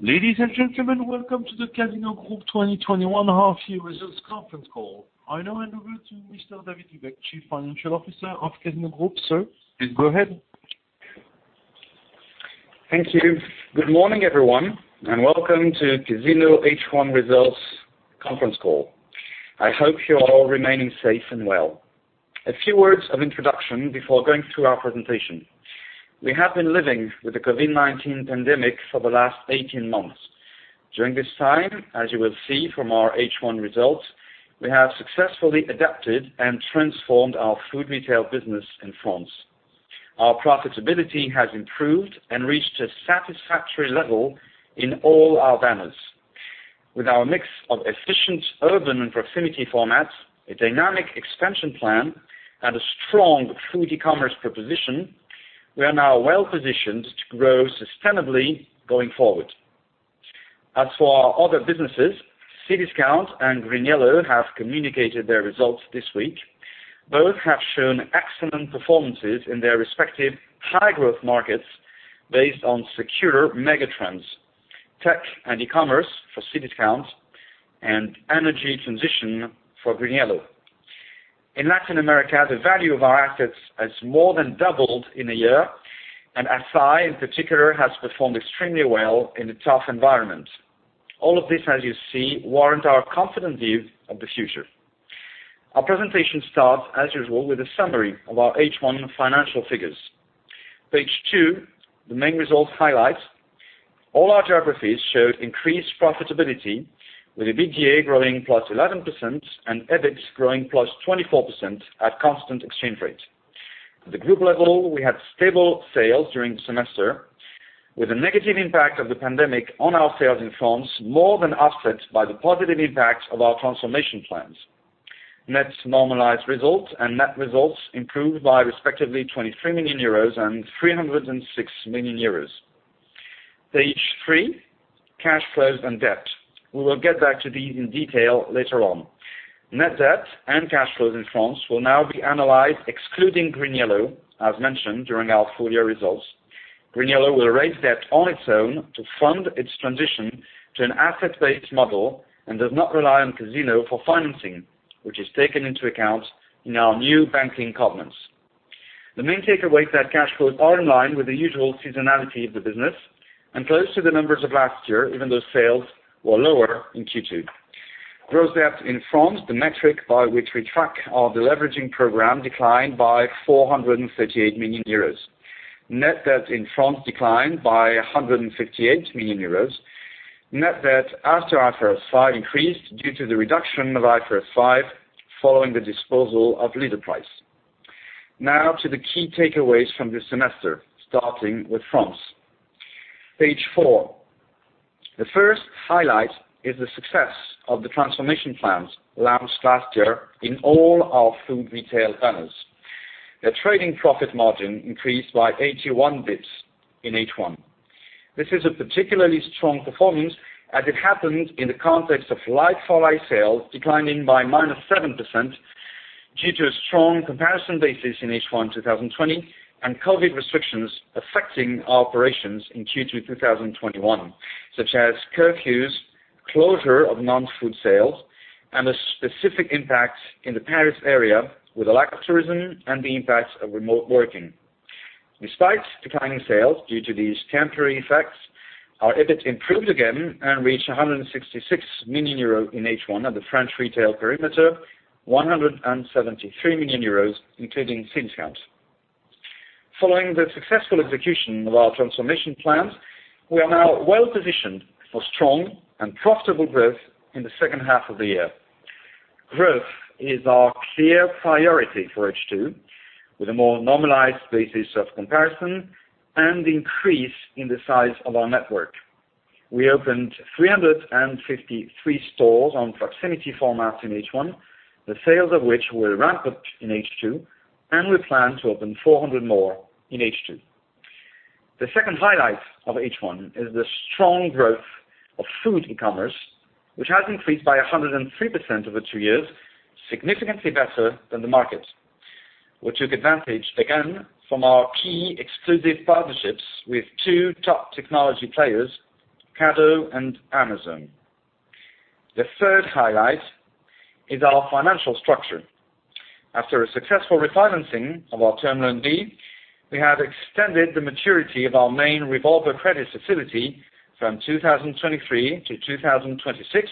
Ladies and gentlemen, welcome to the Casino Group 2021 half year results conference call. I now hand over to Mr. David Lubek, Chief Financial Officer of Casino Group. Sir, please go ahead. Thank you. Good morning, everyone. Welcome to Casino H1 Results conference call. I hope you're all remaining safe and well. A few words of introduction before going through our presentation. We have been living with the COVID-19 pandemic for the last 18 months. During this time, as you will see from our H1 results, we have successfully adapted and transformed our food retail business in France. Our profitability has improved and reached a satisfactory level in all our banners. With our mix of efficient urban and proximity formats, a dynamic expansion plan, and a strong food e-commerce proposition, we are now well-positioned to grow sustainably going forward. As for our other businesses, Cdiscount and GreenYellow have communicated their results this week. Both have shown excellent performances in their respective high growth markets based on secure mega trends, tech and e-commerce for Cdiscount and energy transition for GreenYellow. In Latin America, the value of our assets has more than doubled in a year, and Assaí, in particular, has performed extremely well in a tough environment. All of this, as you see, warrant our confident view of the future. Our presentation starts, as usual, with a summary of our H1 financial figures. Page two, the main results highlight, all our geographies showed increased profitability with EBITDA growing plus 11% and EBIT growing plus 24% at constant exchange rate. At the group level, we had stable sales during the semester with the negative impact of the pandemic on our sales in France more than offset by the positive impact of our transformation plans. Net normalized results and net results improved by respectively 23 million euros and 306 million euros. Page three, cash flows and debt. We will get back to these in detail later on. Net debt and cash flows in France will now be analyzed excluding GreenYellow, as mentioned during our full year results. GreenYellow will raise debt on its own to fund its transition to an asset-based model and does not rely on Casino for financing, which is taken into account in our new banking covenants. The main takeaway is that cash flows are in line with the usual seasonality of the business and close to the numbers of last year, even though sales were lower in Q2. Gross debt in France, the metric by which we track our deleveraging program, declined by 438 million euros. Net debt in France declined by 158 million euros. Net debt after IFRS 5 increased due to the reduction of IFRS 5 following the disposal of Leader Price. Now to the key takeaways from this semester, starting with France. Page four. The first highlight is the success of the transformation plans launched last year in all our food retail banners. Their trading profit margin increased by 81 basis points in H1. This is a particularly strong performance as it happened in the context of like-for-like sales declining by -7% due to a strong comparison basis in H1 2020 and COVID restrictions affecting our operations in Q2 2021, such as curfews, closure of Non-Food sales, and the specific impact in the Paris area with a lack of tourism and the impact of remote working. Despite declining sales due to these temporary effects, our EBIT improved again and reached 166 million euro in H1 at the French retail perimeter, 173 million euros including Cdiscount. Following the successful execution of our transformation plans, we are now well-positioned for strong and profitable growth in the second half of the year. Growth is our clear priority for H2, with a more normalized basis of comparison and increase in the size of our network. We opened 353 stores on proximity formats in H1, the sales of which will ramp up in H2, and we plan to open 400 more in H2. The second highlight of H1 is the strong growth of food e-commerce, which has increased by 103% over two years, significantly better than the market, which took advantage again from our key exclusive partnerships with two top technology players, Ocado and Amazon. The third highlight is our financial structure. After a successful refinancing of our Term Loan B, we have extended the maturity of our main revolver credit facility from 2023 to 2026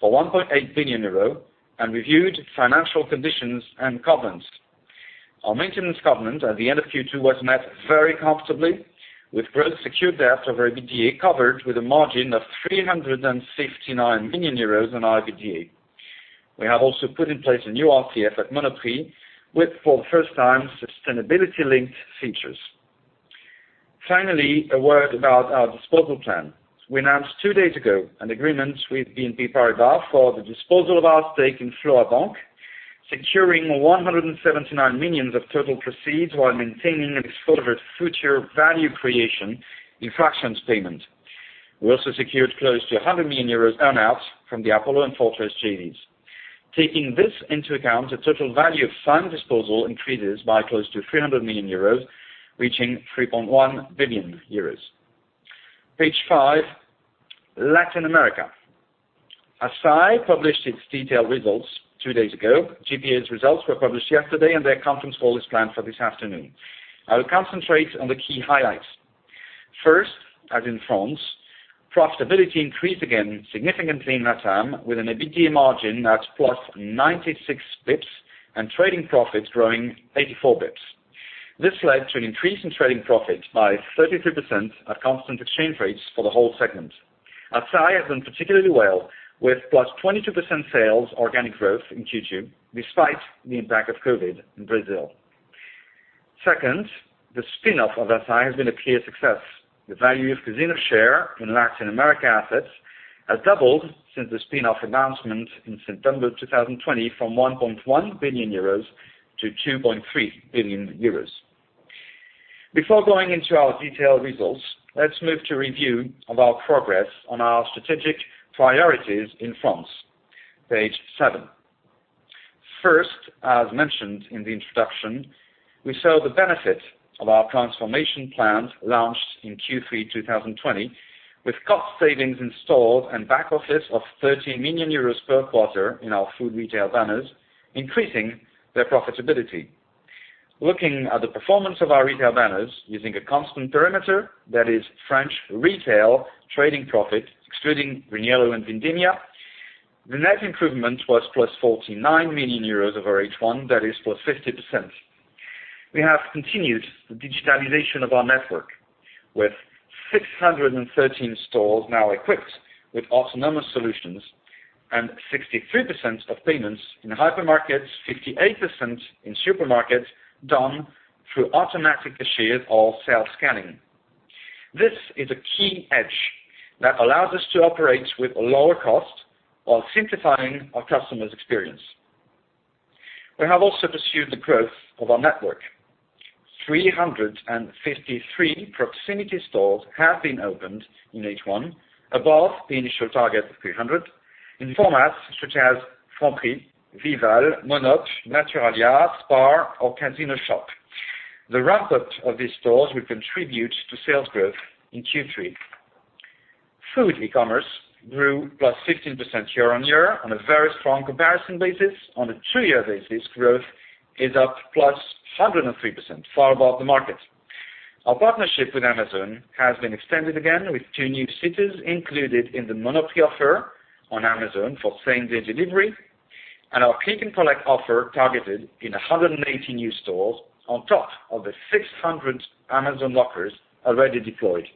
for 1.8 billion euro and reviewed financial conditions and covenants. Our maintenance covenant at the end of Q2 was met very comfortably with both secured debt over EBITDA covered with a margin of 369 million euros on EBITDA. We have also put in place a new RCF at Monoprix with, for the first time, sustainability-linked features. A word about our disposal plan. We announced two days ago an agreement with BNP Paribas for the disposal of our stake in FLOA Bank, securing 179 million of total proceeds while maintaining an exposure to future value creation in fractions payment. We also secured close to 100 million euros earn-outs from the Apollo and Fortress JVs. Taking this into account, the total value of firm disposal increases by close to 300 million euros, reaching 3.1 billion euros. Page five, Latin America. Assaí published its detailed results two days ago. GPA's results were published yesterday, their conference call is planned for this afternoon. I will concentrate on the key highlights. First, as in France, profitability increased again significantly in LATAM with an EBITDA margin at +96 basis points and trading profits growing 84 basis points. This led to an increase in trading profit by 33% at constant exchange rates for the whole segment. Assaí has done particularly well with +22% sales organic growth in Q2, despite the impact of COVID in Brazil. Second, the spin-off of Assaí has been a clear success. The value of Casino's share in Latin America assets has doubled since the spin-off announcement in September 2020 from 1.1 billion euros to 2.3 billion euros. Before going into our detailed results, let's move to review of our progress on our strategic priorities in France. Page seven. First, as mentioned in the introduction, we saw the benefit of our transformation plans launched in Q3 2020, with cost savings in store and back office of 30 million euros per quarter in our food retail banners, increasing their profitability. Looking at the performance of our retail banners using a constant perimeter, that is French retail trading profit, excluding GreenYellow and Vindémia, the net improvement was plus 49 million euros over H1, that is plus 50%. We have continued the digitalization of our network, with 613 stores now equipped with autonomous solutions and 63% of payments in hypermarkets, 58% in supermarkets done through automatic cashier or self scanning. This is a key edge that allows us to operate with lower cost while simplifying our customer's experience. We have also pursued the growth of our network. 353 proximity stores have been opened in H1, above the initial target of 300, in formats such as Franprix, Vival, Monop', Naturalia, Spar, or Casino Shop. The ramp-up of these stores will contribute to sales growth in Q3. Food e-commerce grew +15% year-on-year on a very strong comparison basis. On a two-year basis, growth is up +103%, far above the market. Our partnership with Amazon has been extended again, with two new cities included in the Monoprix offer on Amazon for same-day delivery, and our click and collect offer targeted in 180 new stores on top of the 600 Amazon Lockers already deployed.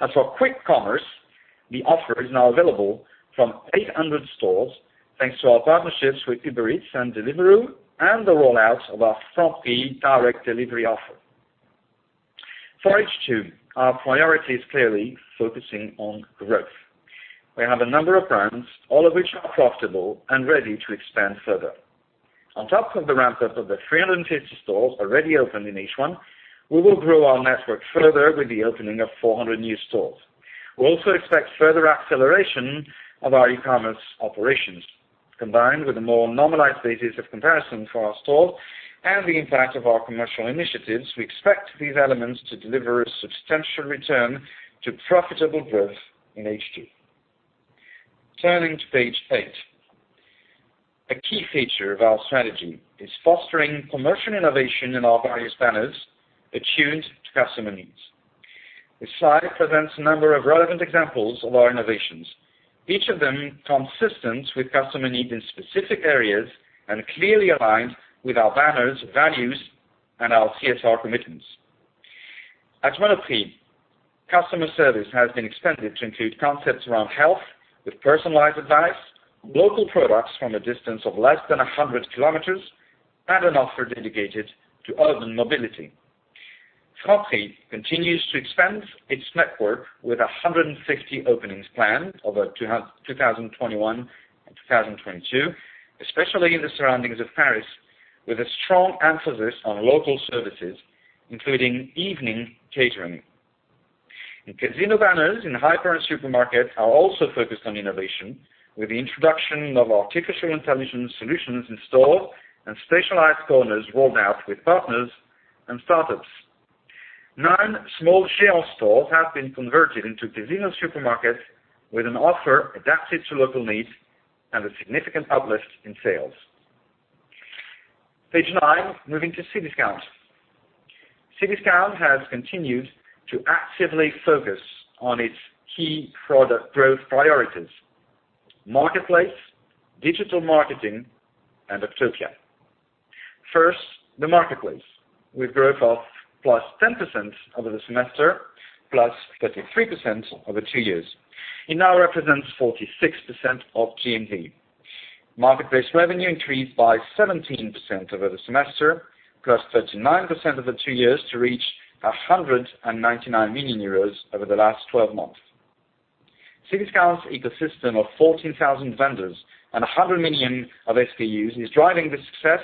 As for quick commerce, the offer is now available from 800 stores, thanks to our partnerships with Uber Eats and Deliveroo, and the rollout of our Franprix direct delivery offer. For H2, our priority is clearly focusing on growth. We have a number of brands, all of which are profitable and ready to expand further. On top of the ramp-up of the 350 stores already open in H1, we will grow our network further with the opening of 400 new stores. We also expect further acceleration of our e-commerce operations. Combined with a more normalized basis of comparison for our stores and the impact of our commercial initiatives, we expect these elements to deliver a substantial return to profitable growth in H2. Turning to page eight. A key feature of our strategy is fostering commercial innovation in our various banners attuned to customer needs. This slide presents a number of relevant examples of our innovations, each of them consistent with customer needs in specific areas and clearly aligned with our banners, values, and our CSR commitments. At Monoprix, customer service has been expanded to include concepts around health with personalized advice, local products from a distance of less than 100 km, and an offer dedicated to urban mobility. Franprix continues to expand its network with 160 openings planned over 2021 and 2022, especially in the surroundings of Paris, with a strong emphasis on local services, including evening catering. Casino banners in hyper and supermarkets are also focused on innovation with the introduction of artificial intelligence solutions in store and specialized corners rolled out with partners and startups. Nine small Géant stores have been converted into Casino supermarkets with an offer adapted to local needs and a significant uplift in sales. Page nine, moving to Cdiscount. Cdiscount has continued to actively focus on its key product growth priorities: marketplace, digital marketing, and Octopia. First, the marketplace, with growth of +10% over the semester, +33% over two years. It now represents 46% of GMV. Marketplace revenue increased by 17% over the semester, +39% over two years, to reach 199 million euros over the last 12 months. Cdiscount's ecosystem of 14,000 vendors and 100 million SKUs is driving the success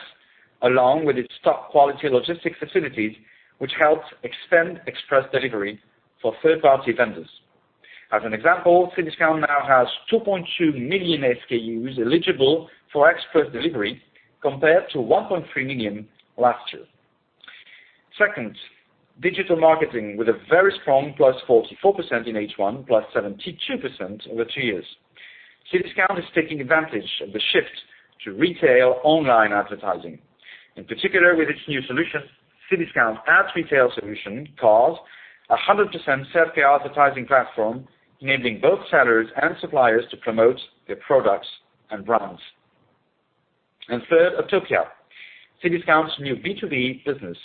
along with its top-quality logistics facilities, which helped expand express delivery for third-party vendors. As an example, Cdiscount now has 2.2 million SKUs eligible for express delivery, compared to 1.3 million last year. Second, digital marketing, with a very strong +44% in H1, +72% over two years. Cdiscount is taking advantage of the shift to retail online advertising. In particular, with its new solution, Cdiscount Ads Retail Solution, CARS, 100% self-care advertising platform, enabling both sellers and suppliers to promote their products and brands. Third, Octopia, Cdiscount's new B2B business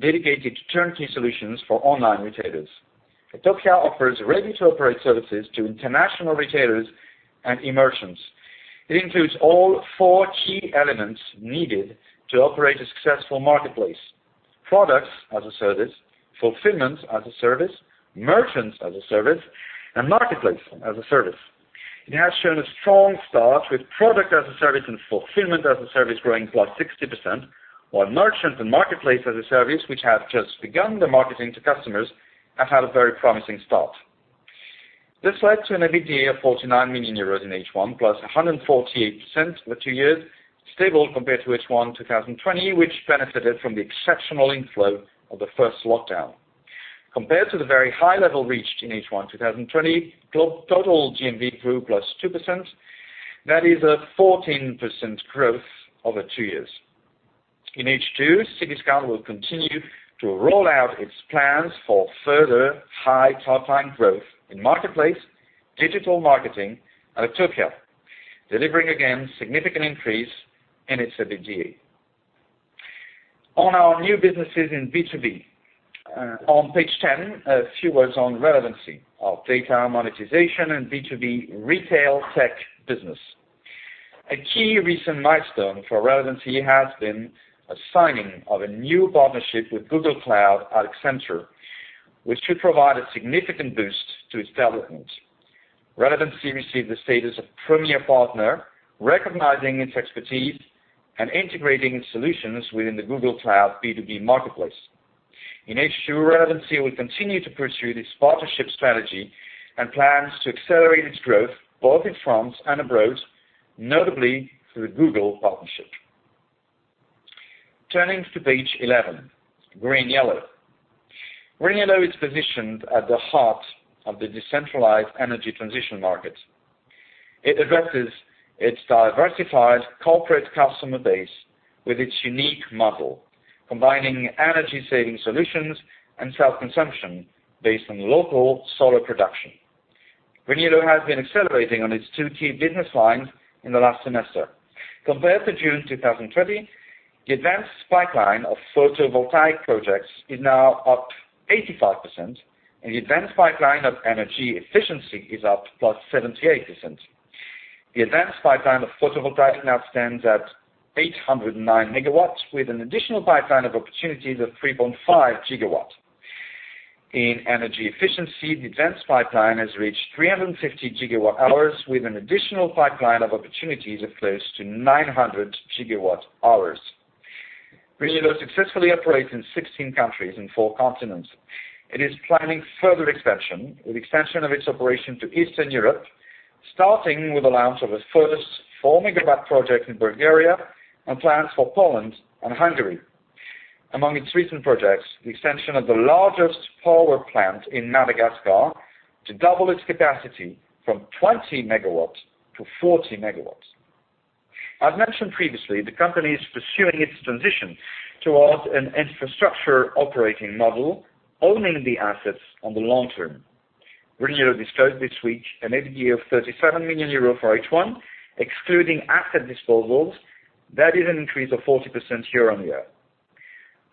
dedicated to turnkey solutions for online retailers. Octopia offers ready-to-operate services to international retailers and e-merchants. It includes all four key elements needed to operate a successful marketplace. Products-as-a-Service, Fulfillment-as-a-Service, Merchants-as-a-Service, and Marketplace-as-a-Service. It has shown a strong start with Product-as-a-Service and Fulfillment-as-a-Service growing +60%, while Merchants and Marketplace-as-a-Service, which have just begun their marketing to customers, have had a very promising start. This led to an EBITDA of 49 million euros in H1, +148% over two years, stable compared to H1 2020, which benefited from the exceptional inflow of the first lockdown. Compared to the very high level reached in H1 2020, total GMV grew +2%. That is a 14% growth over two years. In H2, Cdiscount will continue to roll out its plans for further high topline growth in marketplace, digital marketing, and Octopia, delivering again significant increase in its EBITDA. On our new businesses in B2B. On page 10, a few words on relevanC of data monetization and B2B retail tech business. A key recent milestone for relevanC has been a signing of a new partnership with Google Cloud and Accenture, which should provide a significant boost to its development. relevanC received the status of premier partner, recognizing its expertise and integrating its solutions within the Google Cloud B2B marketplace. In H2, relevanC will continue to pursue this partnership strategy and plans to accelerate its growth both in France and abroad, notably through the Google partnership. Turning to page 11, GreenYellow. GreenYellow is positioned at the heart of the decentralized energy transition market. It addresses its diversified corporate customer base with its unique model, combining energy saving solutions and self-consumption based on local solar production. GreenYellow has been accelerating on its two key business lines in the last semester. Compared to June 2020, the advanced pipeline of photovoltaic projects is now up 85%, and the advanced pipeline of energy efficiency is up +78%. The advanced pipeline of photovoltaic now stands at 809 MW, with an additional pipeline of opportunities of 3.5 GW. In energy efficiency, the advanced pipeline has reached 350 GWh, with an additional pipeline of opportunities of close to 900 GWh. GreenYellow successfully operates in 16 countries in four continents. It is planning further expansion, with expansion of its operation to Eastern Europe, starting with the launch of its first 4-MW project in Bulgaria and plans for Poland and Hungary. Among its recent projects, the extension of the largest power plant in Madagascar to double its capacity from 20 MW to 40 MW. As mentioned previously, the company is pursuing its transition towards an infrastructure operating model, owning the assets on the long term. GreenYellow disclosed this week an EBITDA of 37 million euro for H1, excluding asset disposals. That is an increase of 40% year-on-year.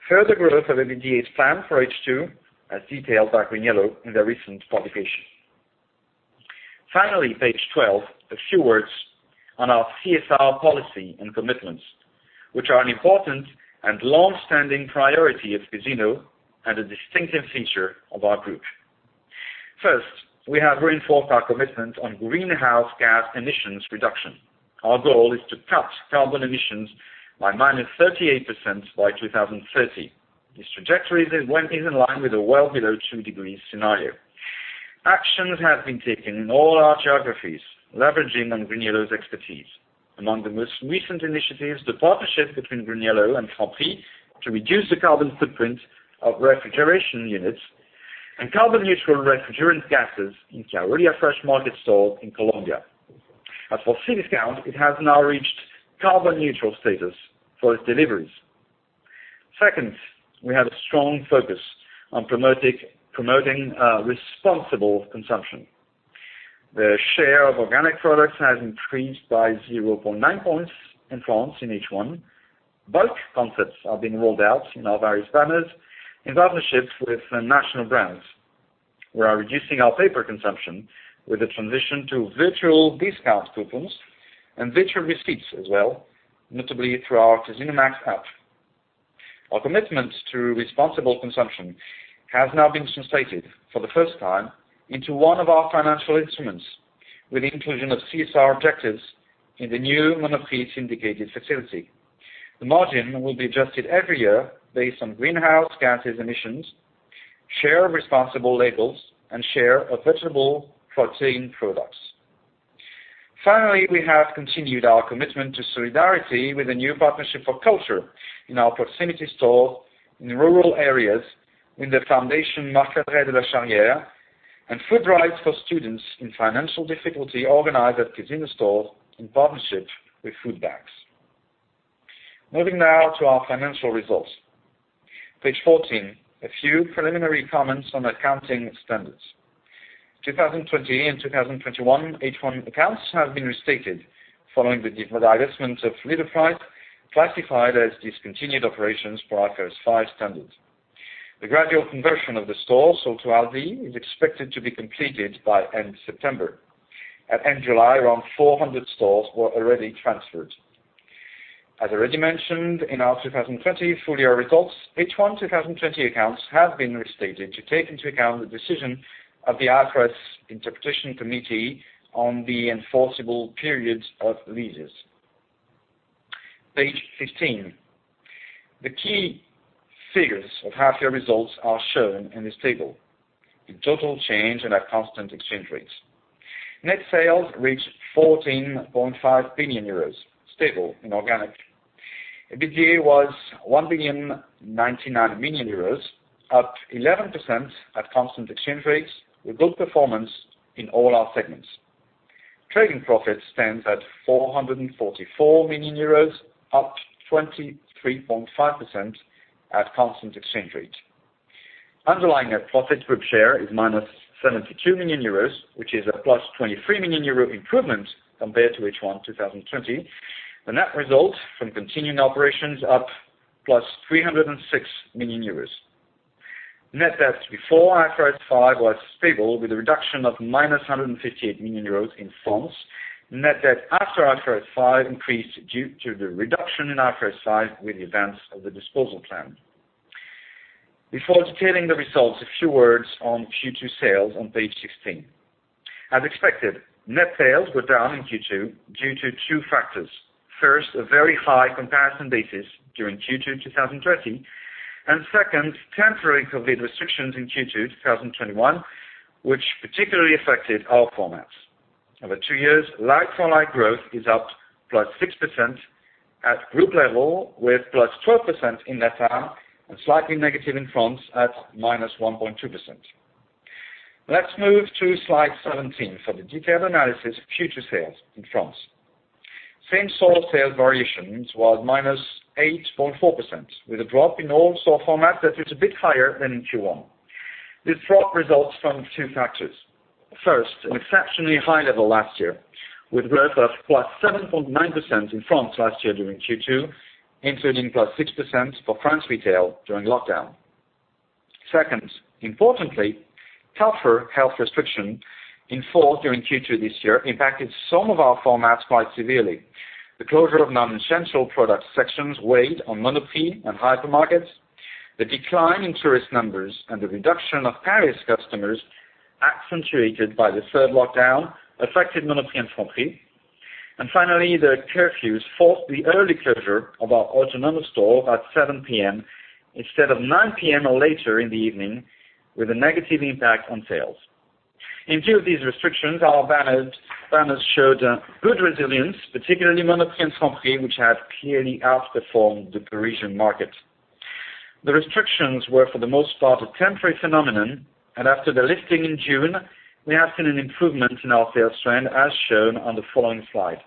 Further growth of EBITDA is planned for H2, as detailed by GreenYellow in their recent publication. Finally, page 12, a few words on our CSR policy and commitments, which are an important and long-standing priority of Casino and a distinctive feature of our group. First, we have reinforced our commitment on greenhouse gas emissions reduction. Our goal is to cut carbon emissions by -38% by 2030. This trajectory is in line with the well below 2 degrees scenario. Actions have been taken in all our geographies, leveraging on GreenYellow's expertise. Among the most recent initiatives, the partnership between GreenYellow and Franprix to reduce the carbon footprint of refrigeration units, and carbon neutral refrigerant gases in Carulla FreshMarket store in Colombia. As for Cdiscount, it has now reached carbon neutral status for its deliveries. Second, we have a strong focus on promoting responsible consumption. The share of organic products has increased by 0.9 points in France in H1. Bulk concepts are being rolled out in our various banners in partnerships with national brands. We are reducing our paper consumption with a transition to virtual discount coupons and virtual receipts as well, notably through our Casino Max app. Our commitment to responsible consumption has now been translated for the first time into one of our financial instruments with the inclusion of CSR objectives in the new Monoprix syndicated facility. The margin will be adjusted every year based on greenhouse gas emissions, share responsible labels, and share of vegetable protein products. Finally, we have continued our commitment to solidarity with a new partnership for culture in our proximity store in rural areas with the Fondation Marc Ladreit de Lacharrière, and food drives for students in financial difficulty organized at Casino stores in partnership with food banks. Moving now to our financial results. Page 14, a few preliminary comments on accounting standards. 2020 and 2021, H1 accounts have been restated following the divestment of Leader Price, classified as discontinued operations for IFRS 5 standards. The gradual conversion of the store sold to Aldi is expected to be completed by end September. At end July, around 400 stores were already transferred. As already mentioned in our 2020 full-year results, H1 2020 accounts have been restated to take into account the decision of the IFRS interpretation committee on the enforceable periods of leases. Page 15. The key figures of half-year results are shown in this table, the total change at constant exchange rates. Net sales reached 14.5 billion euros, stable and organic. EBITDA was 1.099 billion, up 11% at constant exchange rates, with good performance in all our segments. Trading profit stands at 444 million euros, up 23.5% at constant exchange rate. Underlying net profit group share is -72 million euros, which is a +23 million euro improvement compared to H1 2020. The net result from continuing operations up +306 million euros. Net debt before IFRS 5 was stable, with a reduction of -158 million euros in France. Net debt after IFRS 5 increased due to the reduction in IFRS 5 with the advance of the disposal plan. Before detailing the results, a few words on Q2 sales on page 16. As expected, net sales were down in Q2 due to two factors. First, a very high comparison basis during Q2 2020, and second, temporary COVID restrictions in Q2 2021, which particularly affected our formats. Over two years, like-for-like growth is up +6% at group level, with + 12% in Assaí and slightly negative in France at minus 1.2%. Let's move to slide 17 for the detailed analysis of Q2 sales in France. Same-store sales variations was minus 8.4%, with a drop in all store formats that is a bit higher than in Q1. This drop results from 2 factors. An exceptionally high level last year, with growth of +7.9% in France last year during Q2, including +6% for France retail during lockdown. Importantly, tougher health restriction in Fall during Q2 this year impacted some of our formats quite severely. The closure of non-essential product sections weighed on Monoprix and hypermarkets. The decline in tourist numbers and the reduction of Paris customers, accentuated by the third lockdown, affected Monoprix and Franprix. Finally, the curfews forced the early closure of our autonomous stores at 7:00 P.M. instead of 9:00 P.M. or later in the evening, with a negative impact on sales. In two of these restrictions, our banners showed a good resilience, particularly Monoprix and Franprix, which have clearly outperformed the Parisian market. The restrictions were, for the most part, a temporary phenomenon, and after the lifting in June, we have seen an improvement in our sales trend, as shown on the following slide.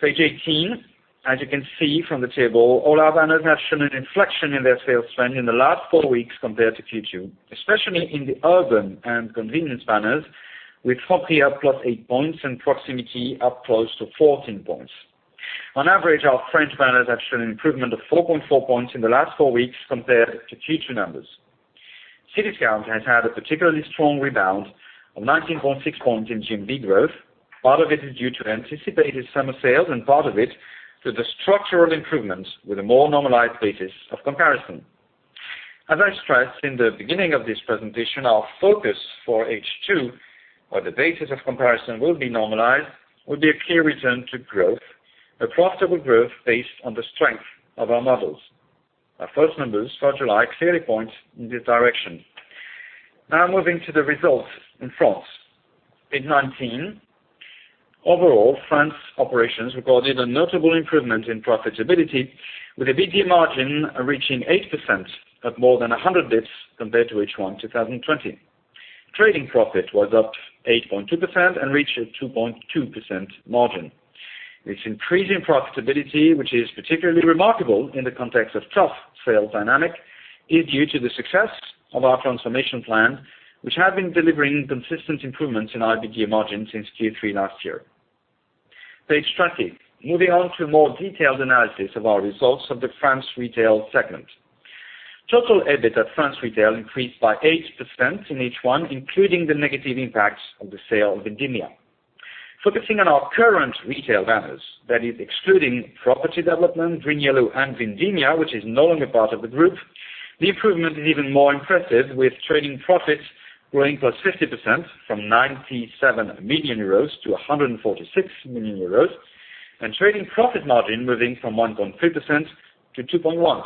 Page 18. As you can see from the table, all our banners have shown an inflection in their sales trend in the last four weeks compared to Q2, especially in the urban and convenience banners, with Franprix up +8 points and proximity up close to 14 points. On average, our French banners have shown an improvement of 4.4 points in the last four weeks compared to Q2 numbers. Cdiscount has had a particularly strong rebound of 19.6 points in June-May growth. Part of it is due to anticipated summer sales, and part of it to the structural improvements with a more normalized basis of comparison. As I stressed in the beginning of this presentation, our focus for H2, where the basis of comparison will be normalized, will be a key return to growth, a profitable growth based on the strength of our models. Our first numbers for July clearly point in this direction. Moving to the results in France. Page 19. Overall, France operations recorded a notable improvement in profitability, with an EBITDA margin reaching 8% at more than 100 basis points compared to H1 2020. Trading profit was up 8.2% and reached a 2.2% margin. This increase in profitability, which is particularly remarkable in the context of tough sales dynamic, is due to the success of our transformation plan, which have been delivering consistent improvements in EBITDA margin since Q3 last year. Page 20. Moving on to a more detailed analysis of our results of the France retail segment. Total EBIT at France Retail increased by 8% in H1, including the negative impacts of the sale of Vindémia. Focusing on our current retail banners, that is excluding property development, GreenYellow and Vindémia, which is no longer part of the group. The improvement is even more impressive with trading profits growing +50% from 97 million euros to 146 million euros, and trading profit margin moving from 1.3% to 2.1%.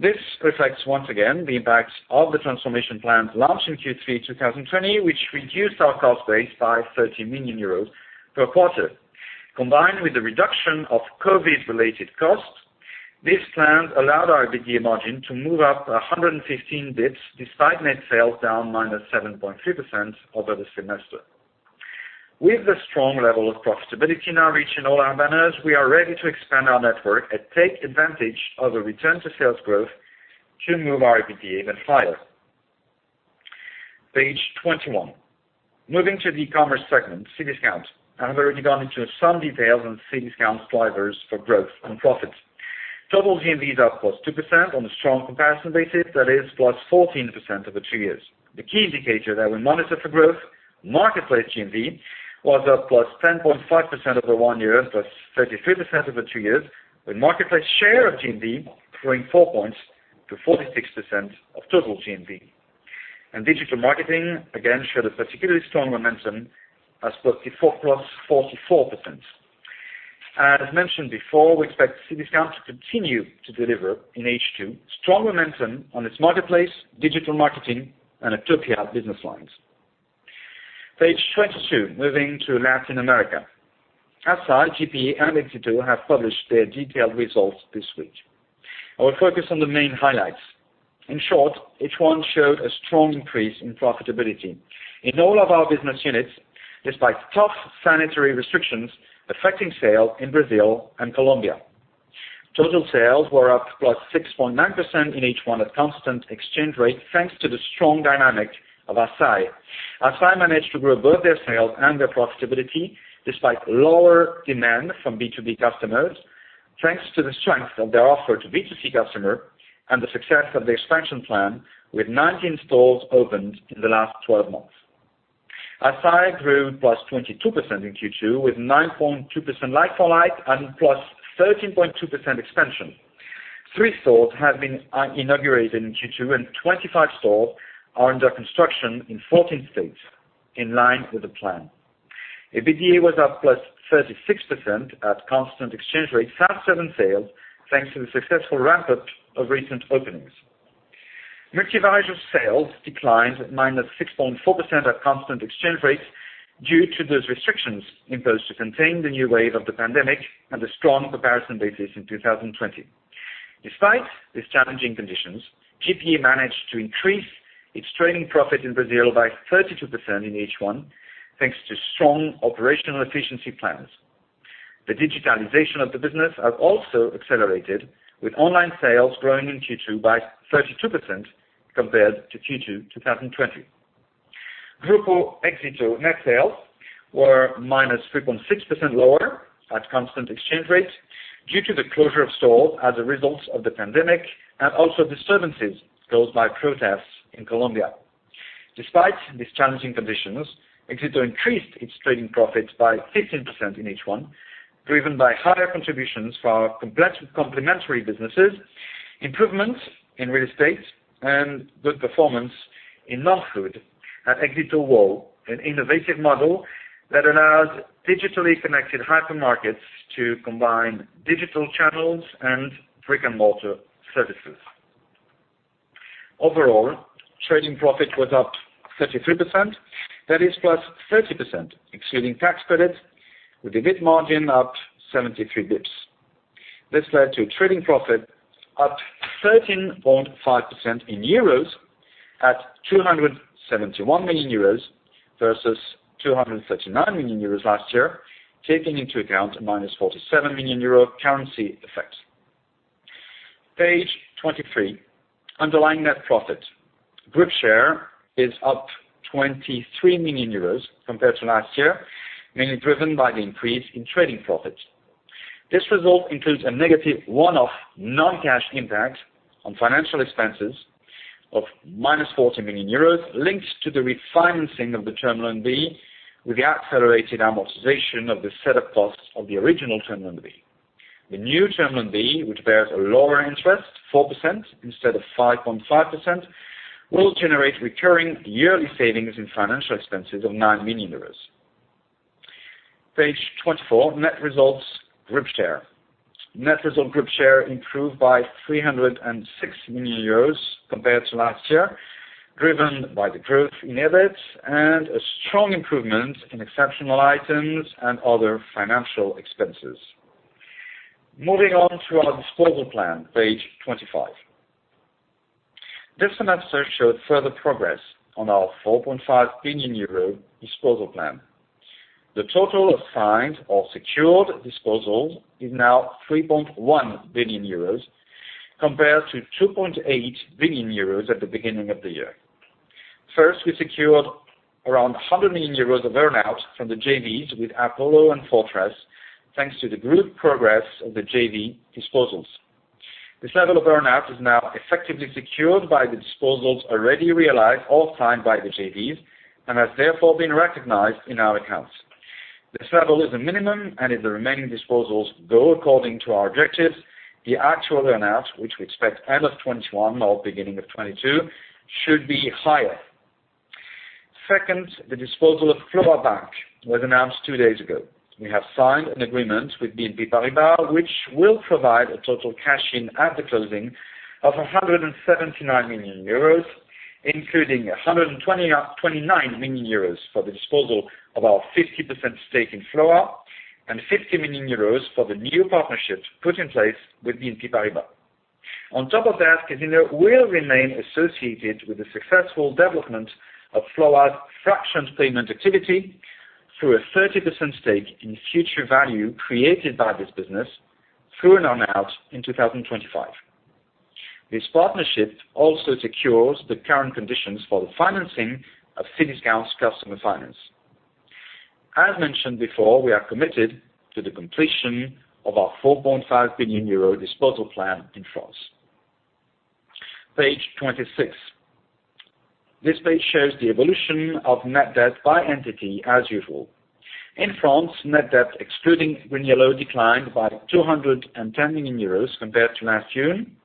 This reflects, once again, the impact of the transformation plan launched in Q3 2020, which reduced our cost base by 30 million euros per quarter. Combined with the reduction of COVID-19 related costs, this plan allowed our EBITDA margin to move up 115 basis points, despite net sales down -7.3% over the semester. With the strong level of profitability now reached in all our banners, we are ready to expand our network and take advantage of a return to sales growth to move our EBITDA even higher. Page 21. Moving to the e-commerce segment, Cdiscount. I've already gone into some details on Cdiscount's levers for growth and profits. Total GMV is up +2% on a strong comparison basis, that is +14% over two years. The key indicator that we monitor for growth, marketplace GMV, was up +10.5% over one year, +33% over two years, with marketplace share of GMV growing 4 points to 46% of total GMV. Digital marketing, again, showed a particularly strong momentum as +44%. As mentioned before, we expect Cdiscount to continue to deliver in H2 strong momentum on its marketplace, digital marketing, and Octopia business lines. Page 22. Moving to Latin America. Assaí, GPA, and Éxito have published their detailed results this week. I will focus on the main highlights. In short, H1 showed a strong increase in profitability in all of our business units, despite tough sanitary restrictions affecting sales in Brazil and Colombia. Total sales were up +6.9% in H1 at constant exchange rate, thanks to the strong dynamic of Assaí. Assaí managed to grow both their sales and their profitability despite lower demand from B2B customers, thanks to the strength of their offer to B2C customer and the success of the expansion plan with 19 stores opened in the last 12 months. Assaí grew +22% in Q2 with 9.2% like-for-like and +13.2% expansion. Three stores have been inaugurated in Q2, and 25 stores are under construction in 14 states in line with the plan. EBITDA was up +36% at constant exchange rate, same store sales, thanks to the successful ramp-up of recent openings. Multivarejo sales declined -6.4% at constant exchange rates due to those restrictions imposed to contain the new wave of the pandemic and the strong comparison basis in 2020. Despite these challenging conditions, GPA managed to increase its trading profit in Brazil by 32% in H1, thanks to strong operational efficiency plans. The digitalization of the business have also accelerated, with online sales growing in Q2 by 32% compared to Q2 2020. Grupo Éxito net sales were -3.6% lower at constant exchange rates due to the closure of stores as a result of the pandemic and also disturbances caused by protests in Colombia. Despite these challenging conditions, Éxito increased its trading profit by 15% in H1, driven by higher contributions to our complementary businesses, improvements in real estate, and good performance in Non-Food at Éxito WOW, an innovative model that allows digitally connected hypermarkets to combine digital channels and brick and mortar services. Overall, trading profit was up 33%, that is +30% excluding tax credits, with EBIT margin up 73 basis points. This led to trading profit up 13.5% in euros at 271 million euros versus 239 million euros last year, taking into account a -47 million euro currency effect. Page 23, underlying net profit. Group share is up 23 million euros compared to last year, mainly driven by the increase in trading profit. This result includes a negative one-off non-cash impact on financial expenses of -40 million euros, linked to the refinancing of the Term Loan B with the accelerated amortization of the setup costs of the original Term Loan B. The new Term Loan B, which bears a lower interest, 4% instead of 5.5%, will generate recurring yearly savings in financial expenses of 9 million euros. Page 24, net results group share. Net result group share improved by 306 million euros compared to last year, driven by the growth in EBIT and a strong improvement in exceptional items and other financial expenses. Moving on to our disposal plan, page 25. This semester showed further progress on our 4.5 billion euro disposal plan. The total assigned or secured disposal is now 3.1 billion euros compared to 2.8 billion euros at the beginning of the year. First, we secured around 100 million euros of earn-out from the JVs with Apollo and Fortress, thanks to the group progress of the JV disposals. This level of earn-out is now effectively secured by the disposals already realized or signed by the JVs and has therefore been recognized in our accounts. This level is a minimum, and if the remaining disposals go according to our objectives, the actual earn-out, which we expect end of 2021 or beginning of 2022, should be higher. Second, the disposal of FLOA Bank was announced two days ago. We have signed an agreement with BNP Paribas, which will provide a total cash-in at the closing of 179 million euros, including 129 million euros for the disposal of our 50% stake in FLOA, and 50 million euros for the new partnerships put in place with BNP Paribas. On top of that, Casino will remain associated with the successful development of FLOA's fractions payment activity through a 30% stake in future value created by this business through an earn-out in 2025. This partnership also secures the current conditions for the financing of Cdiscount customer finance. As mentioned before, we are committed to the completion of our 4.5 billion euro disposal plan in France. Page 26. This page shows the evolution of net debt by entity as usual. In France, net debt excluding GreenYellow declined by 210 million euros compared to last June.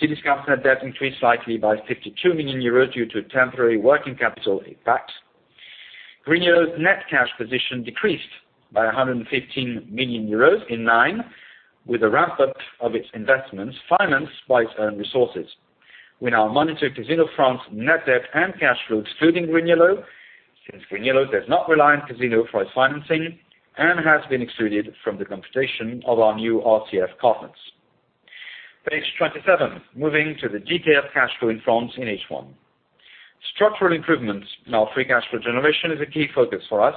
Cdiscount net debt increased slightly by 52 million euros due to temporary working capital impact. GreenYellow net cash position decreased by 115 million euros in nine, with a ramp-up of its investments financed by its own resources. We now monitor Casino France net debt and cash flow excluding GreenYellow, since GreenYellow does not rely on Casino for its financing and has been excluded from the computation of our new RCF covenants. Page 27. Moving to the detailed cash flow in France in H1. Structural improvements in our free cash flow generation is a key focus for us,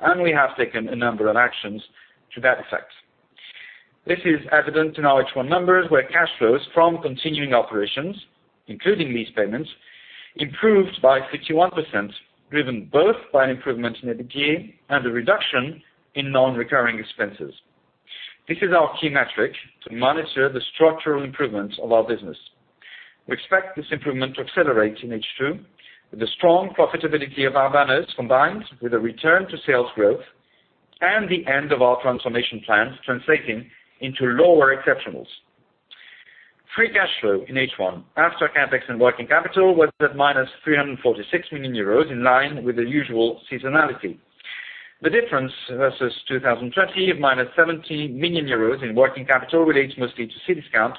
and we have taken a number of actions to that effect. This is evident in our H1 numbers, where cash flows from continuing operations, including lease payments, improved by 51%, driven both by an improvement in EBITDA and a reduction in non-recurring expenses. This is our key metric to monitor the structural improvements of our business. We expect this improvement to accelerate in H2, with the strong profitability of our banners combined with a return to sales growth and the end of our transformation plan translating into lower exceptionals. Free cash flow in H1 after CapEx and working capital was at -346 million euros, in line with the usual seasonality. The difference versus 2020 of -17 million euros in working capital relates mostly to Cdiscount,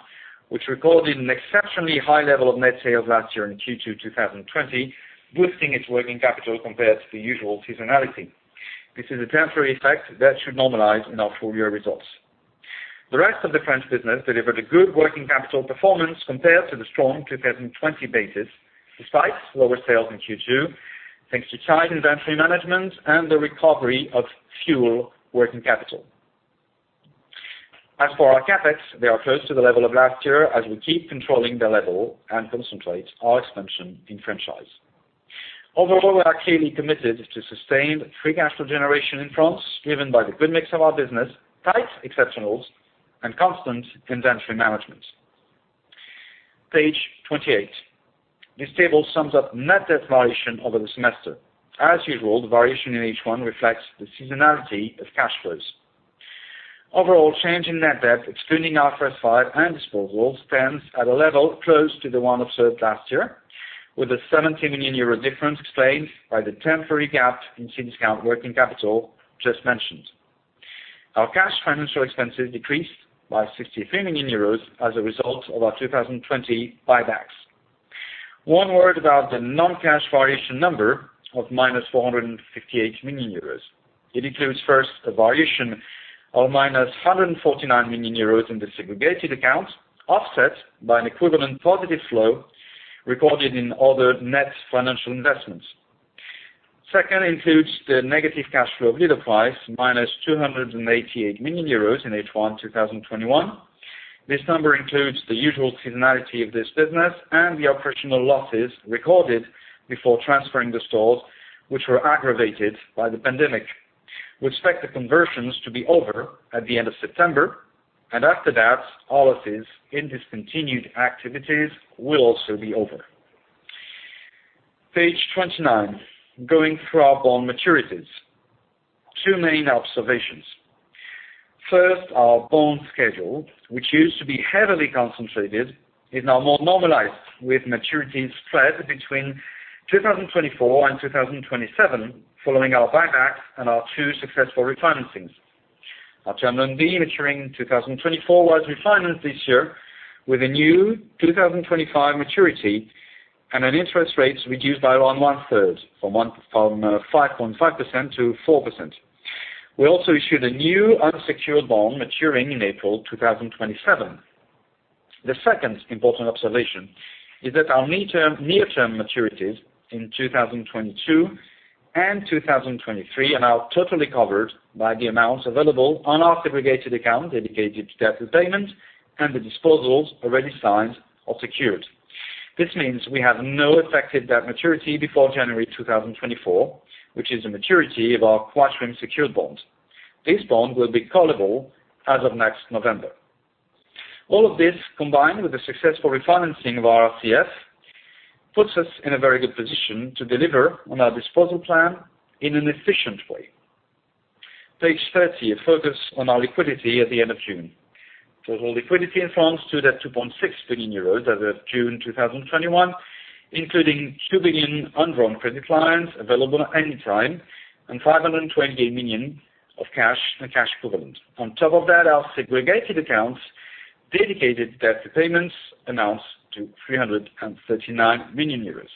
which recorded an exceptionally high level of net sales last year in Q2 2020, boosting its working capital compared to the usual seasonality. This is a temporary effect that should normalize in our full-year results. The rest of the French business delivered a good working capital performance compared to the strong 2020 basis, despite lower sales in Q2, thanks to tight inventory management and the recovery of fuel working capital. As for our CapEx, they are close to the level of last year as we keep controlling the level and concentrate our expansion in franchise. Overall, we are clearly committed to sustained free cash flow generation in France, driven by the good mix of our business, tight exceptionals, and constant inventory management. Page 28. This table sums up net debt variation over the semester. As usual, the variation in H1 reflects the seasonality of cash flows. Overall change in net debt, excluding IFRS 5 and disposals, stands at a level close to the one observed last year, with a 17 million euro difference explained by the temporary gap in Cdiscount working capital just mentioned. Our cash financial expenses decreased by 63 million euros as a result of our 2020 buybacks. One word about the non-cash variation number of -458 million euros. It includes first a variation of -149 million euros in the segregated account, offset by an equivalent positive flow recorded in other net financial investments. Second includes the negative cash flow of Leader Price, -288 million euros in H1 2021. This number includes the usual seasonality of this business and the operational losses recorded before transferring the stores, which were aggravated by the pandemic. We expect the conversions to be over at the end of September. After that, all of this in discontinued activities will also be over. Page 29. Going through our bond maturities. Two main observations. First, our bond schedule, which used to be heavily concentrated, is now more normalized, with maturities spread between 2024 and 2027, following our buyback and our two successful refinancings. Our Term Loan B maturing 2024 was refinanced this year with a new 2025 maturity and an interest rate reduced by around 1/3, from 5.5% to 4%. We also issued a new unsecured bond maturing in April 2027, The second important observation is that our near-term maturities in 2022 and 2023 are now totally covered by the amounts available on our segregated account dedicated to debt repayment and the disposals already signed or secured. This means we have no affected debt maturity before January 2024, which is the maturity of our Quatrim secured bond. This bond will be callable as of next November. All of this, combined with the successful refinancing of our RCF, puts us in a very good position to deliver on our disposal plan in an efficient way. Page 30, a focus on our liquidity at the end of June. Total liquidity in France stood at 2.6 billion euros as of June 2021, including 2 billion undrawn credit lines available at any time and 520 million of cash and cash equivalents. On top of that, our segregated accounts dedicated debt repayments announced to 339 million euros.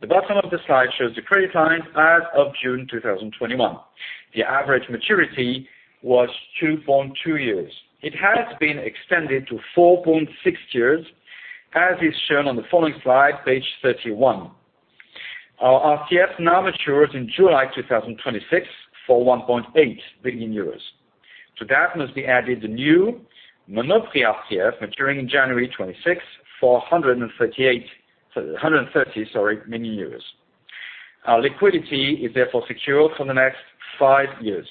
The bottom of the slide shows the credit lines as of June 2021. The average maturity was 2.2 years. It has been extended to 4.6 years, as is shown on the following slide, page 31. Our RCF now matures in July 2026 for 1.8 billion euros. To that must be added the new Monop' RCF maturing in January 2026 for 130 million euros. Our liquidity is therefore secure for the next five years.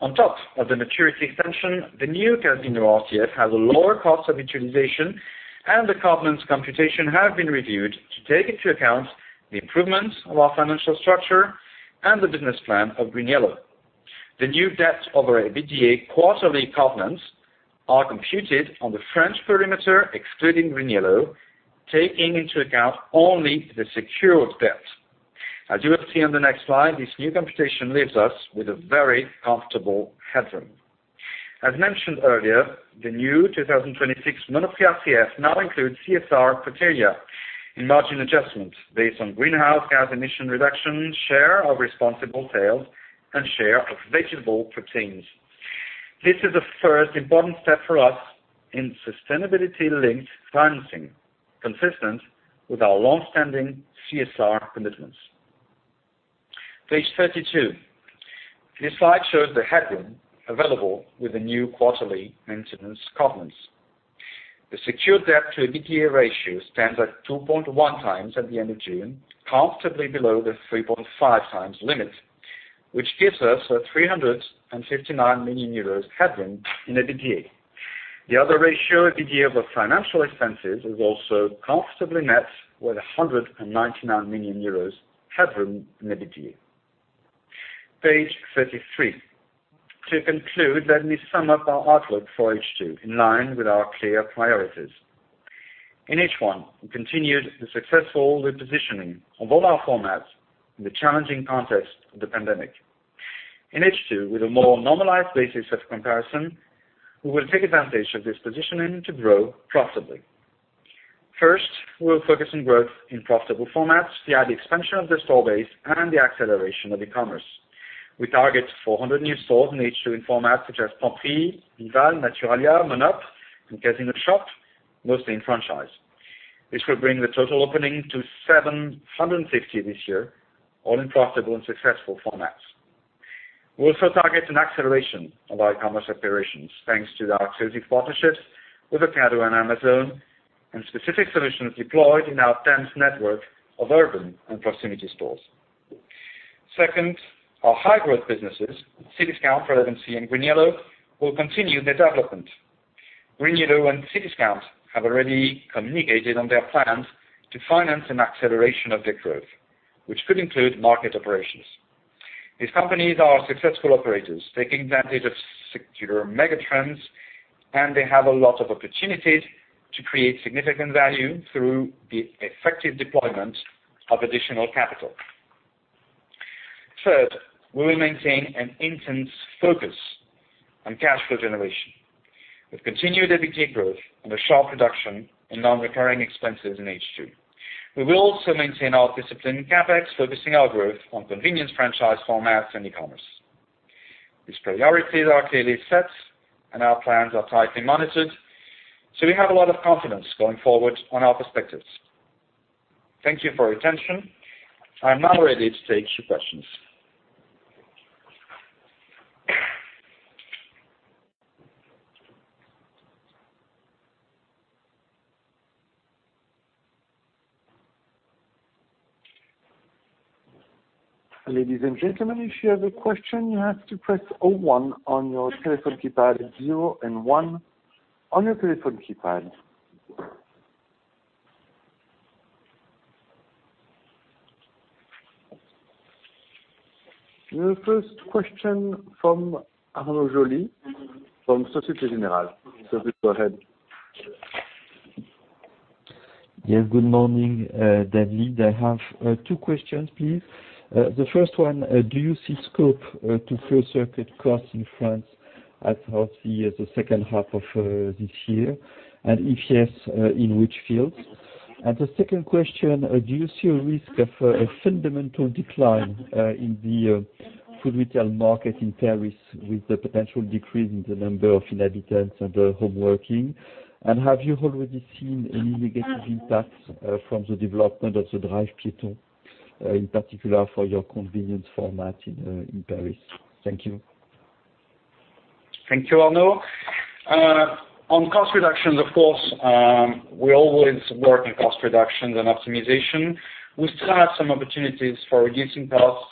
On top of the maturity extension, the new Monop' RCF has a lower cost of utilization, and the covenants computation have been reviewed to take into account the improvements of our financial structure and the business plan of GreenYellow. The new debt over EBITDA quarterly covenants are computed on the French perimeter, excluding GreenYellow, taking into account only the secured debt. As you will see on the next slide, this new computation leaves us with a very comfortable headroom. As mentioned earlier, the new 2026 Monop' RCF now includes CSR criteria in margin adjustments based on greenhouse gas emission reduction, share of responsible sales, and share of vegetable proteins. This is the first important step for us in sustainability-linked financing consistent with our longstanding CSR commitments. Page 32. This slide shows the headroom available with the new quarterly maintenance covenants. The secured debt to EBITDA ratio stands at 2.1x at the end of June, comfortably below the 3.5x limit, which gives us a 359 million euros headroom in EBITDA. The other ratio, EBITDA over financial expenses, is also comfortably met with 199 million euros headroom in EBITDA. Page 33. To conclude, let me sum up our outlook for H2, in line with our clear priorities. In H1, we continued the successful repositioning of all our formats in the challenging context of the pandemic. In H2, with a more normalized basis of comparison, we will take advantage of this positioning to grow profitably. First, we'll focus on growth in profitable formats via the expansion of the store base and the acceleration of e-commerce. We target 400 new stores in H2 in formats such as Franprix, Vival, Naturalia, Monop', and Casino Shop, mostly in franchise. This will bring the total opening to 750 this year, all in profitable and successful formats. We also target an acceleration of our e-commerce operations, thanks to our strategic partnerships with Ocado and Amazon, and specific solutions deployed in our dense network of urban and proximity stores. Second, our high-growth businesses, Cdiscount, relevanC, and GreenYellow, will continue their development. GreenYellow and Cdiscount have already communicated on their plans to finance an acceleration of their growth, which could include market operations. These companies are successful operators, taking advantage of secular mega trends, and they have a lot of opportunities to create significant value through the effective deployment of additional capital. Third, we will maintain an intense focus on cash flow generation with continued EBITDA growth and a sharp reduction in non-recurring expenses in H2. We will also maintain our discipline in CapEx, focusing our growth on convenience franchise formats and e-commerce. These priorities are clearly set and our plans are tightly monitored, so we have a lot of confidence going forward on our perspectives. Thank you for your attention. I'm now ready to take your questions. Ladies and gentlemen, if you have a question, you have to press zero one on your telephone keypad, zero and one on your telephone keypad. Your first question from Arnaud Joly from Société Générale. Arnaud, go ahead. Yes, good morning, David. I have two questions, please. The first one, do you see scope to costs in France as of the second half of this year? If yes, in which fields? The second question, do you see a risk of a fundamental decline in the food retail market in Paris with the potential decrease in the number of inhabitants and the home working? Have you already seen any negative impact from the development of the Drive piéton, in particular for your convenience format in Paris? Thank you. Thank you, Arnaud. On cost reductions, of course, we always work on cost reductions and optimization. We still have some opportunities for reducing costs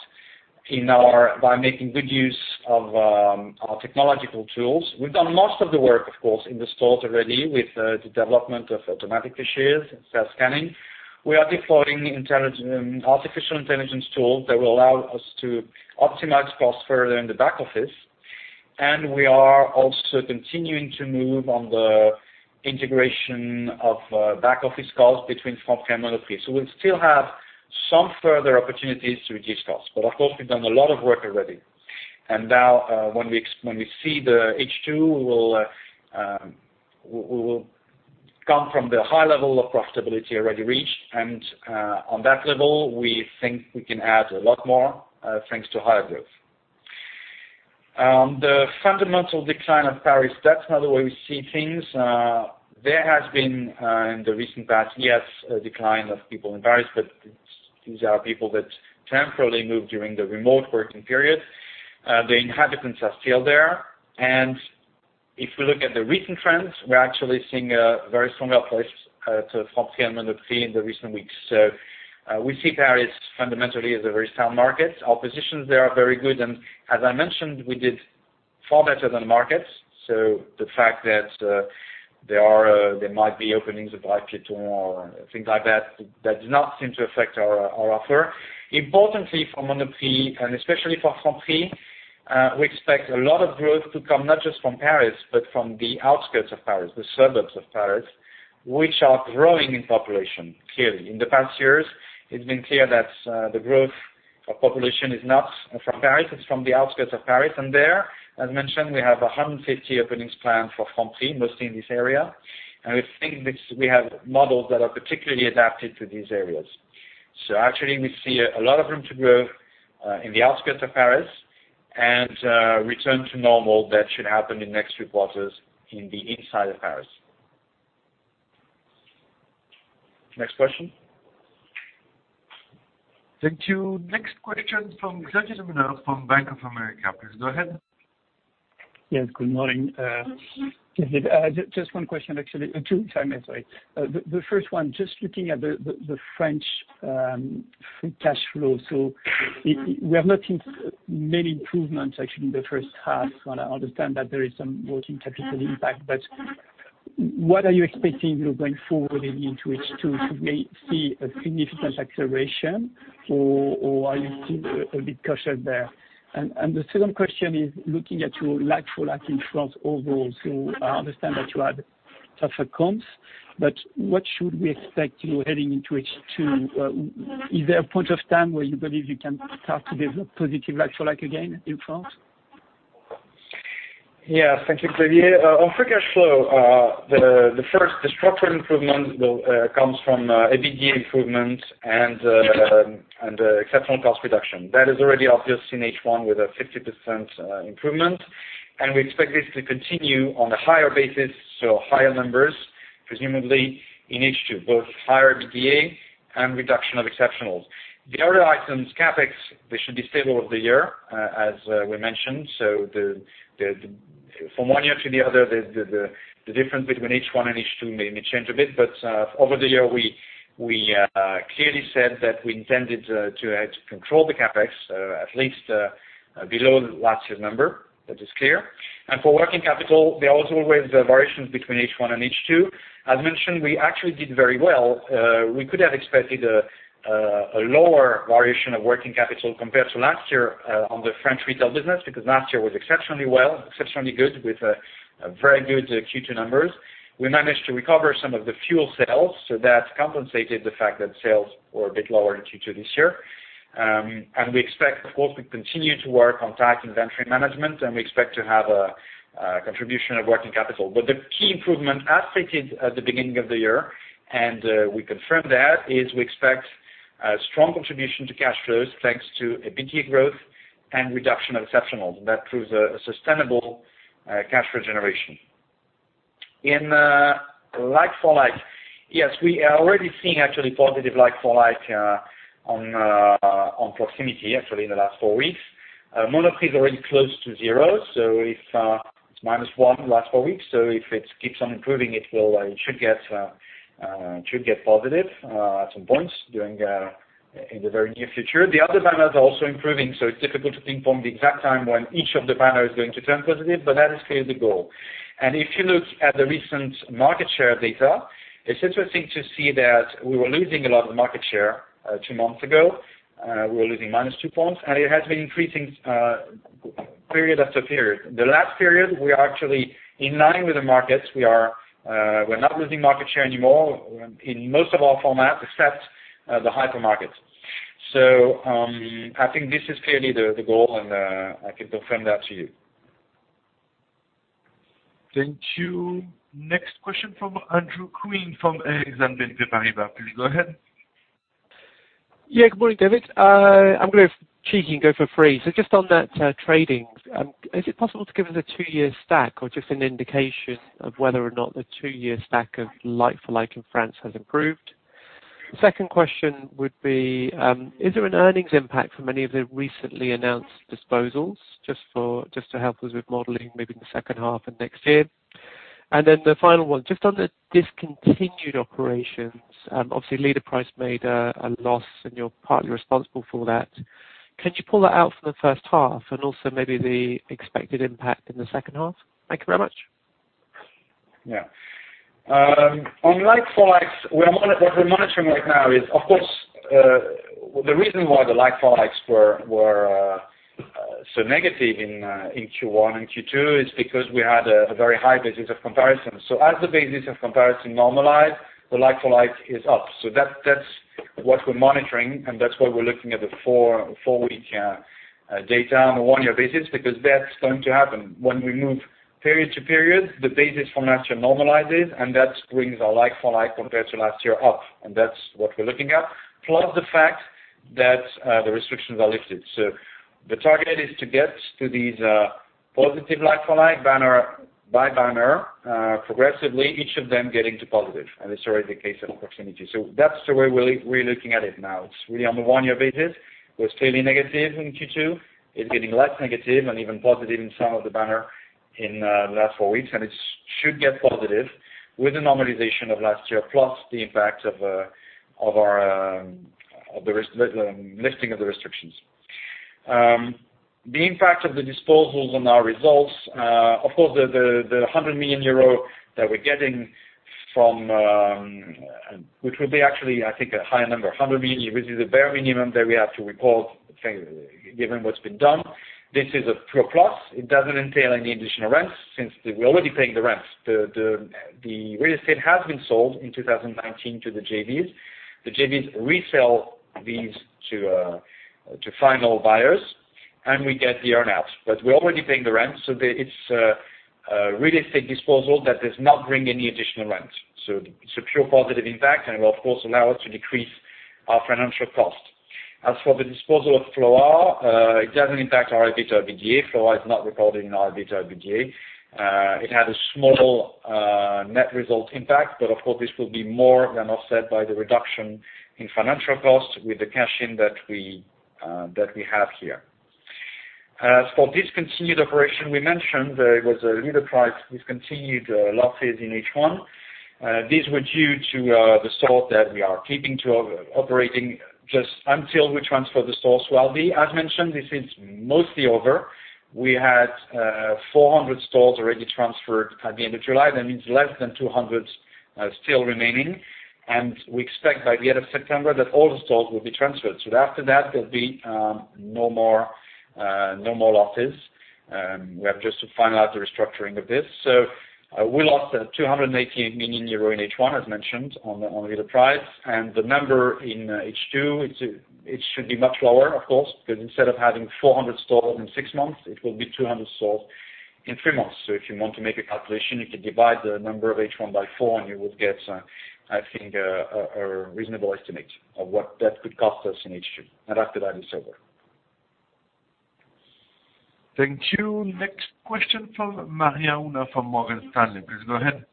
by making good use of our technological tools. We've done most of the work, of course, in the stores already with the development of automatic cashier and self-scanning. We are deploying artificial intelligence tools that will allow us to optimize costs further in the back office, and we are also continuing to move on the integration of back-office costs between Franprix and Monoprix. We still have some further opportunities to reduce costs. Of course, we've done a lot of work already. Now, when we see the H2, we will come from the high level of profitability already reached. On that level, we think we can add a lot more, thanks to higher growth. On the fundamental decline of Paris, that's not the way we see things. There has been, in the recent past, yes, a decline of people in Paris, but these are people that temporarily moved during the remote working period. The inhabitants are still there. If we look at the recent trends, we're actually seeing a very strong uplift to Franprix and Monoprix in the recent weeks. We see Paris fundamentally as a very sound market. Our positions there are very good, and as I mentioned, we did far better than markets. The fact that there might be openings of or things like that does not seem to affect our offer. Importantly for Monoprix, and especially for Franprix, we expect a lot of growth to come, not just from Paris, but from the outskirts of Paris, the suburbs of Paris, which are growing in population clearly. In the past years, it's been clear that the growth of population is not from Paris, it's from the outskirts of Paris. There, as mentioned, we have 150 openings planned for Franprix, mostly in this area. We think we have models that are particularly adapted to these areas. Actually, we see a lot of room to grow in the outskirts of Paris and a return to normal that should happen in next few quarters in the inside of Paris. Next question? Thank you. Next question from Bank of America. Please go ahead. Yes, good morning. Just one question actually. Two, sorry. The first one, just looking at the French free cash flow. We have not seen many improvements actually in the first half, I understand that there is some working capital impact, what are you expecting going forward and into H2? Should we see a significant acceleration or are you still a bit cautious there? The second question is looking at your like-for-like in France overall. I understand that you had tougher comps, what should we expect heading into H2? Is there a point of time where you believe you can start to develop positive like-for-like again in France? Thank you. On free cash flow, the first structural improvement comes from EBITDA improvement and exceptional cost reduction. That is already obvious in H1 with a 50% improvement, and we expect this to continue on a higher basis. Higher numbers, presumably in H2, both higher EBITDA and reduction of exceptionals. The other items, CapEx, they should be stable over the year, as we mentioned. From one year to the other, the difference between H1 and H2 may change a bit. Over the year, we clearly said that we intended to control the CapEx, at least below last year's number. That is clear. For working capital, there are always variations between H1 and H2. As mentioned, we actually did very well. We could have expected a lower variation of working capital compared to last year on the French retail business because last year was exceptionally well, exceptionally good with very good Q2 numbers. We managed to recover some of the fuel sales, so that compensated the fact that sales were a bit lower in Q2 this year. We expect, of course, we continue to work on tight inventory management, and we expect to have a contribution of working capital. The key improvement, as stated at the beginning of the year, and we confirm that, is we expect a strong contribution to cash flows thanks to EBITDA growth and reduction of exceptionals. That proves a sustainable cash flow generation. In like-for-like, yes, we are already seeing actually positive like-for-like on proximity actually in the last four weeks. Monoprix is already close to zero. It's -1 the last four weeks, so if it keeps on improving, it should get positive at some point in the very near future. The other banners are also improving, so it's difficult to pinpoint the exact time when each of the banners is going to turn positive, but that is clearly the goal. If you look at the recent market share data, it's interesting to see that we were losing a lot of market share two months ago. We were losing -2 points, and it has been increasing period after period. The last period, we are actually in line with the markets. We're not losing market share anymore in most of our formats, except the hypermarket. I think this is clearly the goal, and, I can confirm that to you. Thank you. Next question from Andrew Quinn from Exane BNP Paribas. Please go ahead. Yeah. Good morning, David. I'm going to be cheeky and go for three. Just on that trading, is it possible to give us a two-year stack or just an indication of whether or not the two-year stack of like-for-like in France has improved? Second question would be, is there an earnings impact from any of the recently announced disposals? Just to help us with modeling maybe in the second half and next year. The final one, just on the discontinued operations, obviously Leader Price made a loss, and you're partly responsible for that. Could you pull that out for the first half, and also maybe the expected impact in the second half? Thank you very much. On like-for-likes, what we're monitoring right now is, of course, the reason why the like-for-likes were so negative in Q1 and Q2 is because we had a very high basis of comparison. As the basis of comparison normalize, the like-for-like is up. That's what we're monitoring, and that's why we're looking at the four-week data on a one-year basis because that's going to happen. When we move period to period, the basis from last year normalizes, and that brings our like-for-like compared to last year up, and that's what we're looking at. Plus the fact that the restrictions are lifted. The target is to get to these positive like-for-like by banner progressively, each of them getting to positive, and this is already the case at Proximities. That's the way we're looking at it now. It's really on a one-year basis. It was clearly negative in Q2. It's getting less negative and even positive in some of the banner in the last four weeks. It should get positive with the normalization of last year, plus the impact of the lifting of the restrictions. The impact of the disposals on our results, of course, the 100 million euro that we're getting, which will be actually, I think, a higher number. 100 million is the bare minimum that we have to report given what's been done. This is a pure-plus. It doesn't entail any additional rents since we're already paying the rents. The real estate has been sold in 2019 to the JVs. The JVs resell these to final buyers, and we get the earn-out. We're already paying the rent, so it's a real estate disposal that does not bring any additional rent. It's a pure positive impact, and it will, of course, allow us to decrease our financial cost. As for the disposal of FLOA, it doesn't impact our EBITDA. FLOA is not recorded in our EBITDA. It had a small net result impact, of course, this will be more than offset by the reduction in financial costs with the cash-in that we have here. As for discontinued operation, we mentioned there was a Leader Price discontinued losses in H1. These were due to the stores that we are keeping to operating just until we transfer the stores to Aldi. As mentioned, this is mostly over. We had 400 stores already transferred at the end of July. That means less than 200 still remaining. We expect by the end of September that all the stores will be transferred. After that, there'll be no more losses. We have just to finalize the restructuring of this. We lost 218 million euro in H1, as mentioned, on Leader Price, and the number in H2, it should be much lower, of course, because instead of having 400 stores in six months, it will be 200 stores in three months. If you want to make a calculation, you can divide the number of H1 by four and you would get, I think, a reasonable estimate of what that could cost us in H2. After that, it's over. Thank you. Next question from Maria-Laura Adurno from Morgan Stanley. Please go ahead.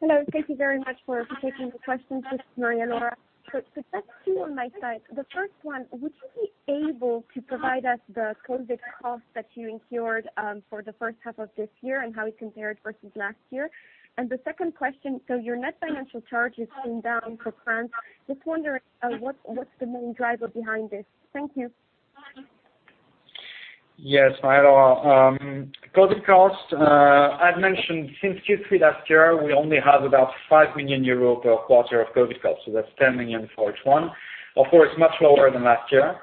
Hello. Thank you very much for taking the question. This is Maria-Laura Adurno. Just two on my side. The first one, would you be able to provide us the COVID cost that you incurred for the first half of this year and how it compared versus last year? The second question, your net financial charge has come down for France. Just wondering what's the main driver behind this? Thank you. Maria, COVID cost, I've mentioned since Q3 last year, we only have about 5 million euro per quarter of COVID cost, so that's 10 million for H1. Of course, much lower than last year.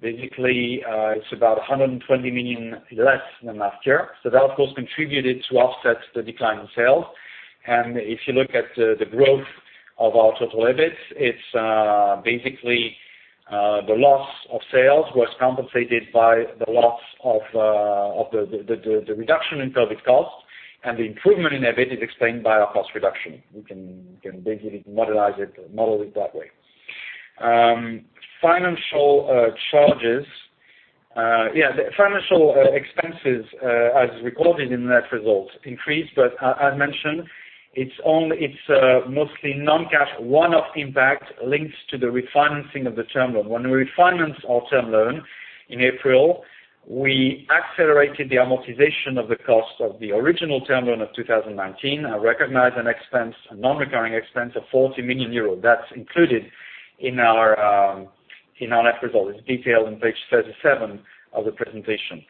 Basically, it's about 120 million less than last year. That, of course, contributed to offset the decline in sales. If you look at the growth of our total EBIT, it's basically the loss of sales was compensated by the loss of the reduction in COVID cost and the improvement in EBIT is explained by our cost reduction. We can basically model it that way. Financial charges. The financial expenses as recorded in net results increased, I mentioned it's mostly non-cash, one-off impact links to the refinancing of the Term Loan. When we refinanced our term loan in April, we accelerated the amortization of the cost of the original term loan of 2019 and recognized a non-recurring expense of 40 million euros. That's included in our net result. It's detailed on page 37 of the presentation.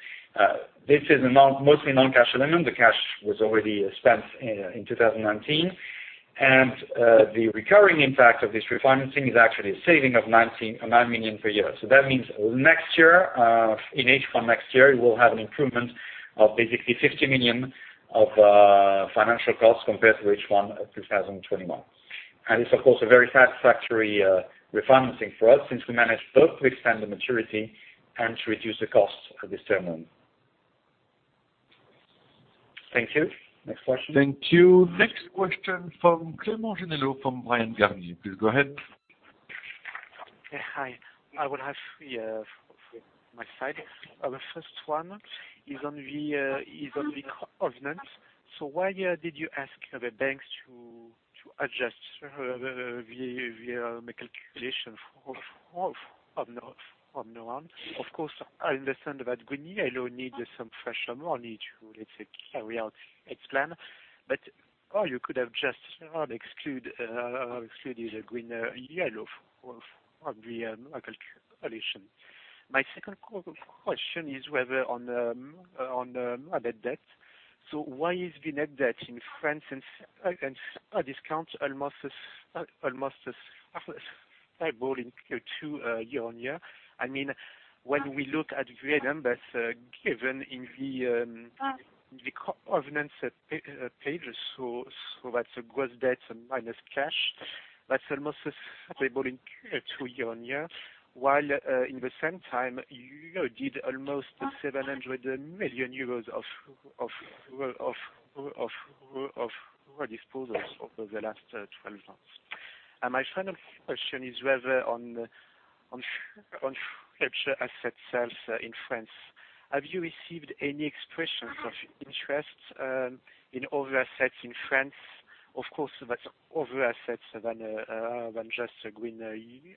This is mostly a non-cash element. The cash was already spent in 2019. The recurring impact of this refinancing is actually a saving of 9 million per year. That means next year, in H1 next year, we will have an improvement of basically 50 million of financial cost compared to H1 of 2021. It's of course, a very satisfactory refinancing for us since we managed both to extend the maturity and to reduce the cost of this term loan. Thank you. Next question. Thank you. Next question from Clément Genelot from Bryan, Garnier. Please go ahead. Hi. I will have three on my side. The first one is on the covenant. Why did you ask the banks to... To adjust the calculation. Of course, I understand about GreenYellow need some fresh money to, let's say, carry out its plan. You could have just exclude GreenYellow from the calculation. My second question is whether on net debt. Why is the net debt in France at a discount almost stable in Q2 year-on-year? When we look at the numbers given in the covenants pages, so that's gross debt minus cash. That's almost stable in Q2 year-on-year, while in the same time, you did almost 700 million euros of disposals over the last 12 months. My final question is whether on future asset sales in France. Have you received any expressions of interest in other assets in France? Of course, that's other assets than just GreenYellow and Cnova.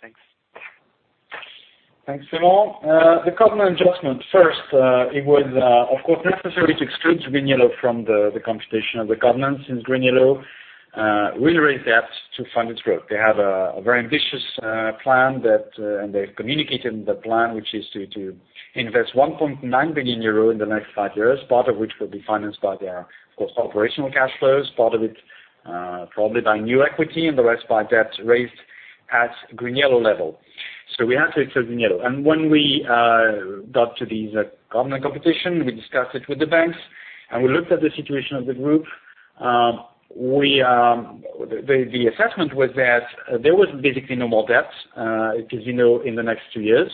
Thanks. Thanks, Clément. The covenant adjustment first, it was, of course, necessary to exclude GreenYellow from the computation of the covenants, since GreenYellow will raise debt to fund its growth. They have a very ambitious plan, and they've communicated the plan, which is to invest 1.9 billion euro in the next five years, part of which will be financed by their, of course, operational cash flows, part of it probably by new equity, and the rest by debt raised at GreenYellow level. We had to exclude GreenYellow. When we got to the covenant computation, we discussed it with the banks, and we looked at the situation of the group. The assessment was that there was basically no more debt, as you know, in the next two years.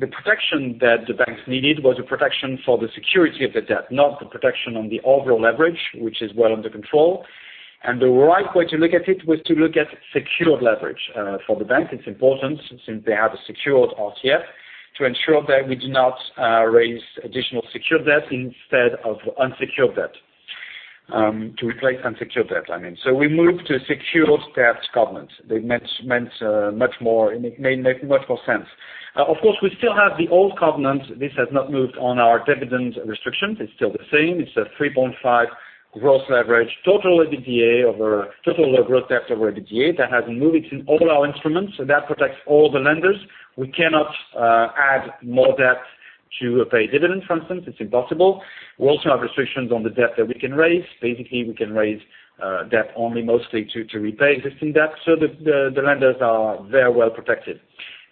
The protection that the banks needed was a protection for the security of the debt, not the protection on the overall leverage, which is well under control. The right way to look at it was to look at secured leverage. For the banks, it's important since they have a secured RCF, to ensure that we do not raise additional secured debt instead of unsecured debt. To replace unsecured debt, I mean. We moved to secured debt covenants. They made much more sense. We still have the old covenants. This has not moved on our dividend restrictions. It's still the same. It's a 3.5 gross leverage, total gross debt over EBITDA. That hasn't moved in all our instruments, so that protects all the lenders. We cannot add more debt to pay dividend, for instance. It's impossible. We also have restrictions on the debt that we can raise. Basically, we can raise debt only mostly to repay existing debt, the lenders are very well protected.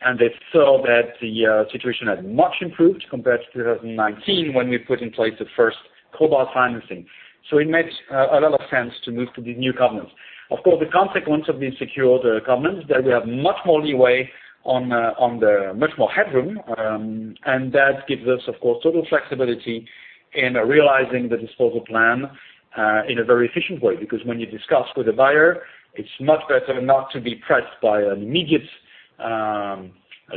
They saw that the situation had much improved compared to 2019, when we put in place the first covenant financing. It makes a lot of sense to move to the new covenants. Of course, the consequence of the secured covenants that we have much more leeway, much more headroom. That gives us, of course, total flexibility in realizing the disposal plan in a very efficient way. When you discuss with a buyer, it's much better not to be pressed by an immediate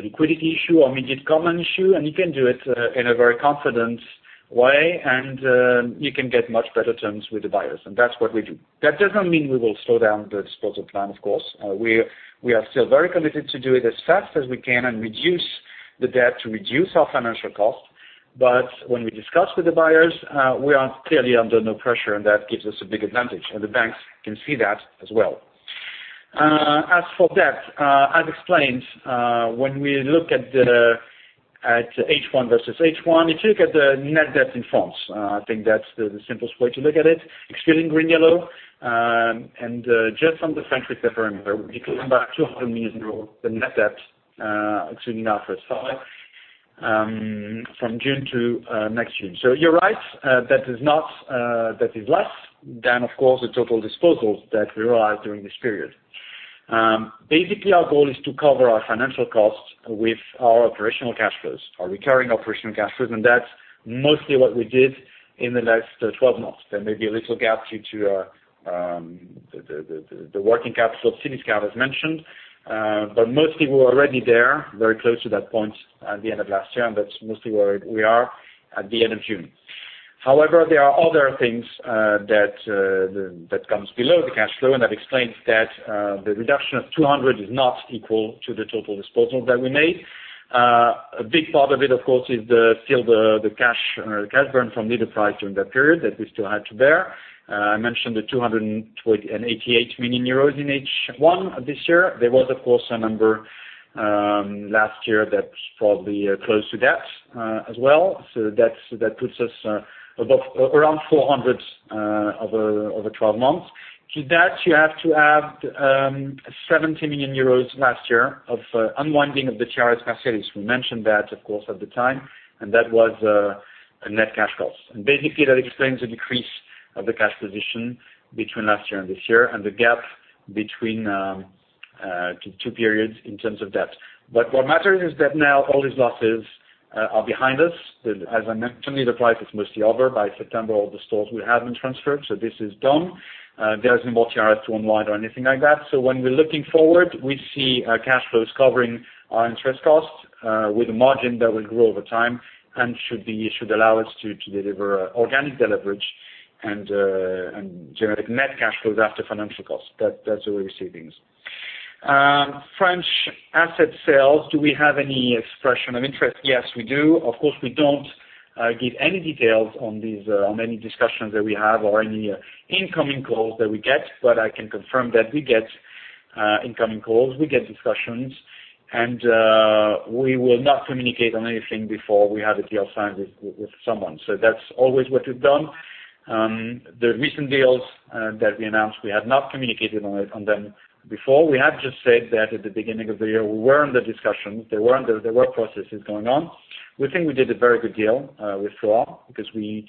liquidity issue or immediate covenant issue, and you can do it in a very confident way, and you can get much better terms with the buyers. That's what we do. That does not mean we will slow down the disposal plan, of course. We are still very committed to do it as fast as we can and reduce the debt to reduce our financial cost. When we discuss with the buyers, we are clearly under no pressure, and that gives us a big advantage, and the banks can see that as well. As for debt, as explained, when we look at H1 versus H1, if you look at the net debt in France, I think that's the simplest way to look at it, excluding GreenYellow, and just on the French perimeter, we came back 200 million euros, the net debt, from June to next June. You're right, that is less than, of course, the total disposals that we realized during this period. Our goal is to cover our financial costs with our operational cash flows, our recurring operational cash flows, and that's mostly what we did in the last 12 months. There may be a little gap due to the working capital of Cdiscount, as mentioned. Mostly, we're already there, very close to that point at the end of last year, and that's mostly where we are at the end of June. There are other things that comes below the cash flow, and that explains that the reduction of [200 million] is not equal to the total disposals that we made. A big part of it, of course, is still the cash burn from Leader Price during that period that we still had to bear. I mentioned the 288 million euros in H1 this year. There was, of course, a number last year that's probably close to that as well. That puts us around 400 over 12 months. To that, you have to add 70 million euros last year of unwinding of the [TRS] facilities. We mentioned that, of course, at the time, and that was a net cash cost. Basically, that explains the decrease of the cash position between last year and this year, and the gap between two periods in terms of debt. What matters is that now all these losses are behind us. As I mentioned, Leader Price is mostly over. By September, all the stores will have been transferred, so this is done. There is no [TRS] to unwind or anything like that. When we're looking forward, we see cash flows covering our interest costs with a margin that will grow over time and should allow us to deliver organic leverage and generate net cash flows after financial costs. That's the way we see things. French asset sales, do we have any expression of interest? Yes, we do. Of course, we don't give any details on any discussions that we have or any incoming calls that we get, but I can confirm that we get incoming calls. We get discussions, and we will not communicate on anything before we have a deal signed with someone. That's always what we've done. The recent deals that we announced, we had not communicated on them before. We had just said that at the beginning of the year, we were in the discussions. There were processes going on. We think we did a very good deal with FLOA, because we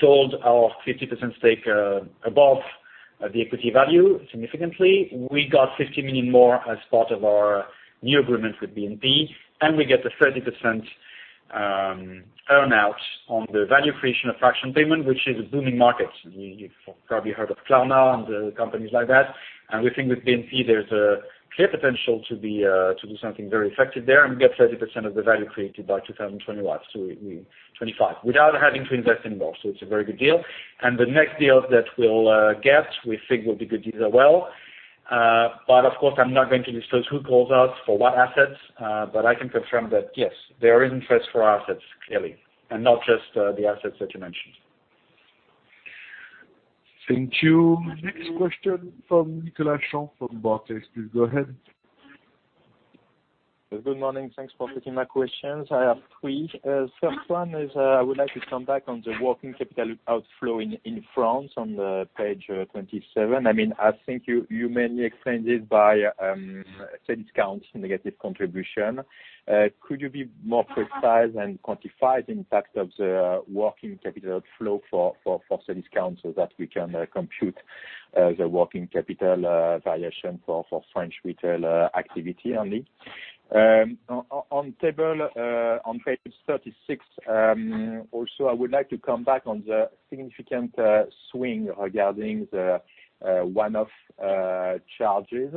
sold our 50% stake above the equity value significantly. We got 50 million more as part of our new agreement with BNP, and we get a 30% earn-out on the value creation of fraction payment, which is a booming market. You've probably heard of Klarna and companies like that. We think with BNP there's a clear potential to do something very effective there and get 30% of the value created by 2025, so without having to invest in more. It's a very good deal. The next deals that we'll get, we think will be good deals as well. Of course, I'm not going to disclose who calls us for what assets. I can confirm that, yes, there is interest for our assets clearly, and not just the assets that you mentioned. Thank you. Next question from Nicolas Champ, Barclays. Please go ahead. Good morning. Thanks for taking my questions. I have three. First one is, I would like to come back on the working capital outflow in France on page 27. I think you mainly explained it by Cdiscount's negative contribution. Could you be more precise and quantify the impact of the working capital flow for Cdiscount so that we can compute the working capital variation for French retail activity only? On page 36, also, I would like to come back on the significant swing regarding the one-off charges.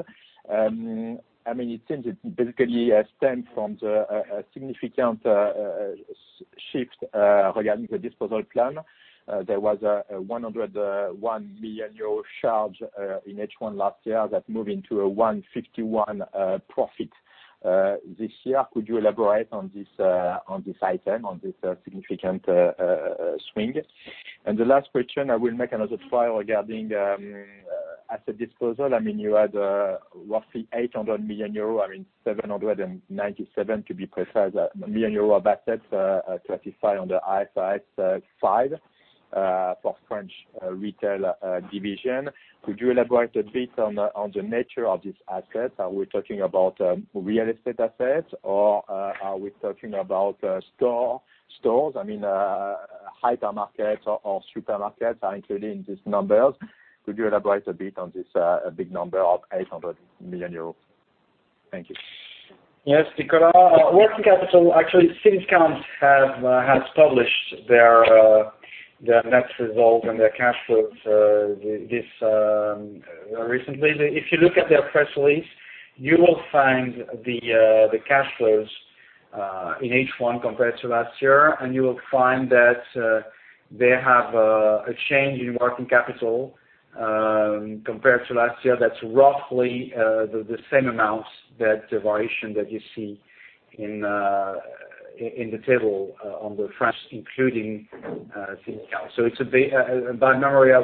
It seems it basically stemmed from the significant shift regarding the disposal plan. There was a 101 million euro charge in H1 last year that moved into a 151 profit this year. Could you elaborate on this item, on this significant swing? The last question, I will make another try regarding asset disposal. You had roughly 800 million euro, 797 million to be precise, million of assets classified under IFRS 5 for French Retail division. Could you elaborate a bit on the nature of these assets? Are we talking about real estate assets, or are we talking about stores? Hypermarkets or supermarkets are included in these numbers. Could you elaborate a bit on this big number of 800 million euros? Thank you. Yes. Working capital, actually, Cdiscount has published their net results and their cash flows recently. If you look at their press release, you will find the cash flows in H1 compared to last year, and you will find that they have a change in working capital compared to last year that's roughly the same amount, that variation that you see in the table on the French, including Cdiscount. By memory, I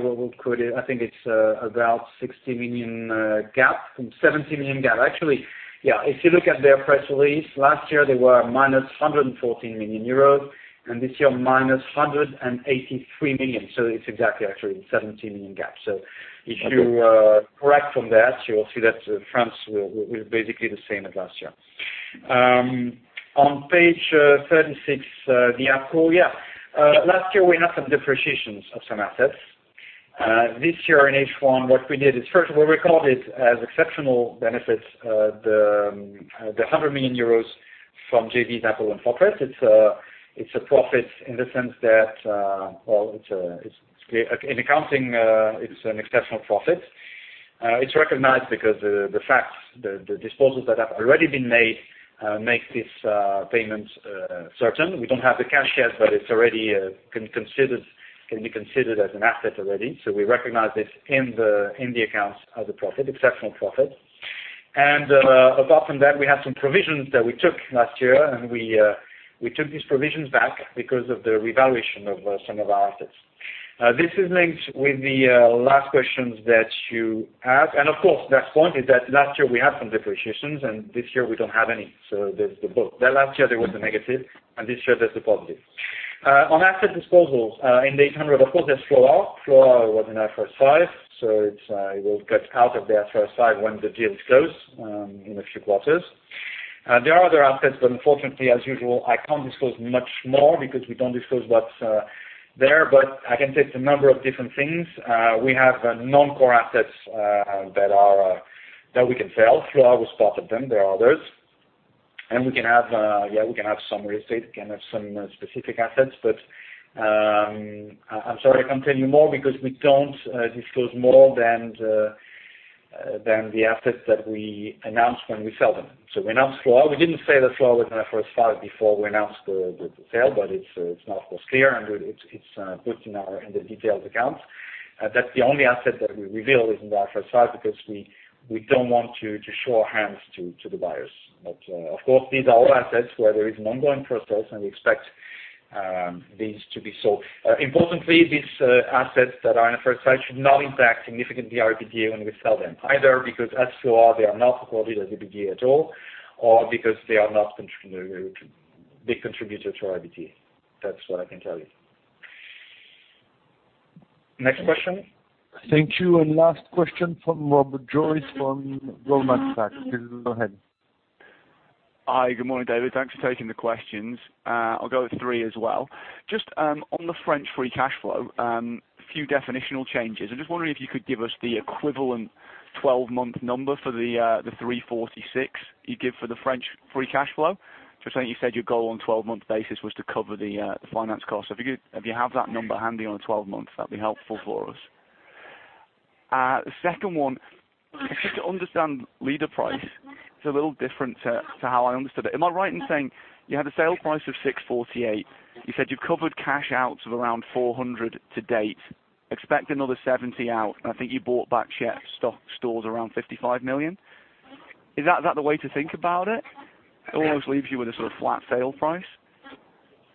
think it's about 60 million gap, 70 million gap. Actually. If you look at their press release, last year, they were -114 million euros, and this year, -183 million. It's exactly actually 70 million gap. If you correct from that, you will see that France was basically the same as last year. On page 36, the approach. Yeah. Last year, we had some depreciations of some assets. This year in H1, what we did is first we recorded as exceptional benefits the 100 million euros from JV Apollo and Fortress. It's a profit. In accounting, it's an exceptional profit. It's recognized because the fact the disposals that have already been made, make this payment certain. We don't have the cash yet, but it already can be considered as an asset already. We recognize this in the accounts as a profit, exceptional profit. Apart from that, we have some provisions that we took last year, and we took these provisions back because of the revaluation of some of our assets. This is linked with the last questions that you asked. Of course, that point is that last year we had some depreciations, and this year we don't have any. There's the both. The last year, there was a negative, and this year there's a positive. On asset disposals, in the 800, of course, there's FLOA. FLOA was in IFRS 5. It will get out of the IFRS 5 when the deals close in a few quarters. There are other assets, unfortunately, as usual, I can't disclose much more because we don't disclose what's there. I can take the number of different things. We have non-core assets that we can sell. FLOA was part of them. There are others. And we can have some real estate, we can have some specific assets. I'm sorry I can't tell you more because we don't disclose more than the assets that we announce when we sell them. We announced FLOA. We didn't say that FLOA was in IFRS 5 before we announced the sale, but it's now, of course, clear, and it's good in the detailed accounts. That's the only asset that we reveal is in the IFRS 5 because we don't want to show our hands to the buyers. Of course, these are all assets where there is an ongoing process, and we expect these to be sold. Importantly, these assets that are in IFRS 5 should not impact significantly our EBITDA when we sell them, either because as FLOA, they are not recorded as EBITDA at all, or because they are not big contributors to our EBITDA. That's what I can tell you. Next question. Thank you. Last question from Robert Joyce from Goldman Sachs. Please go ahead. Hi. Good morning, David. Thanks for taking the questions. I'll go with three as well. Just on the French free cash flow, a few definitional changes. I'm just wondering if you could give us the equivalent 12-month number for the [346 million] you give for the French free cash flow. Just saying you said your goal on a 12-month basis was to cover the finance cost. If you have that number handy on 12 months, that'd be helpful for us. Second one, I think I understand Leader Price. It's a little different to how I understood it. Am I right in saying you had a sale price of 648? You said you covered cash outs of around 400 to date, expect another [70 million] out, and I think you bought back shares, stock, stores around 55 million. Is that the way to think about it? It almost leaves you with a sort of flat sale price.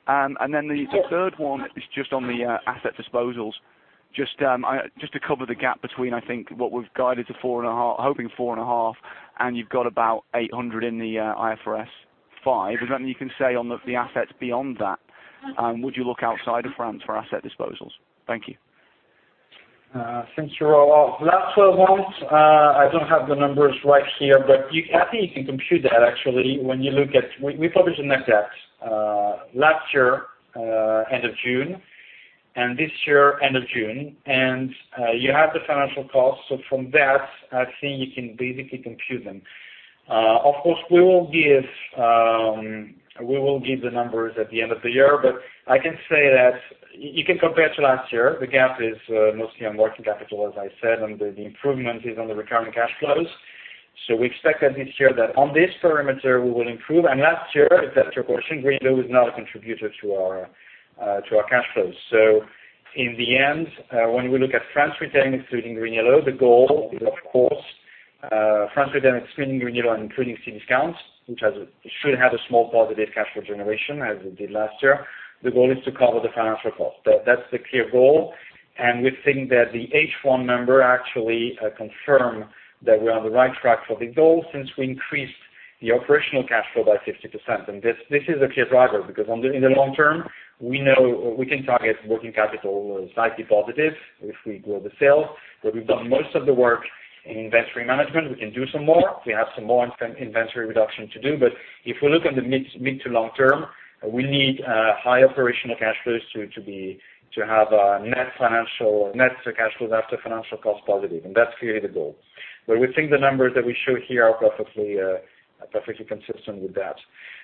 The third one is just on the asset disposals. Just to cover the gap between, I think, what we've guided to [4.5 billion], hoping [4.5 billion], and you've got about [800 million] in the IFRS 5. Is there anything you can say on the assets beyond that? Would you look outside of France for asset disposals? Thank you. Thanks, Robert. Last 12 months, I don't have the numbers right here, but I think you can compute that actually, when you look at We published the net debt last year, end of June, and this year, end of June, and you have the financial cost. From that, I think you can basically compute them. Of course, we will give the numbers at the end of the year, but I can say that you can compare to last year. The gap is mostly on working capital, as I said, and the improvement is on the recurring cash flows. We expect that this year that on this parameter, we will improve. Last year, if that's your question, GreenYellow is now a contributor to our cash flows. In the end, when we look at France retail, including GreenYellow, the goal is, of course, France retail, excluding GreenYellow and including Cdiscount, which should have a small positive cash flow generation as it did last year. The goal is to cover the financial cost. That's the clear goal, and we think that the H1 number actually confirms that we are on the right track for the goal since we increased the operational cash flow by 50%. This is a key driver because in the long term, we know we can target working capital slightly positive if we grow the sale. We've done most of the work in inventory management. We can do some more. We have some more inventory reduction to do. If we look in the mid to long term, we need high operational cash flows to have net cash flows after financial cost positive. That's clearly the goal. We think the numbers that we show here are perfectly consistent with that.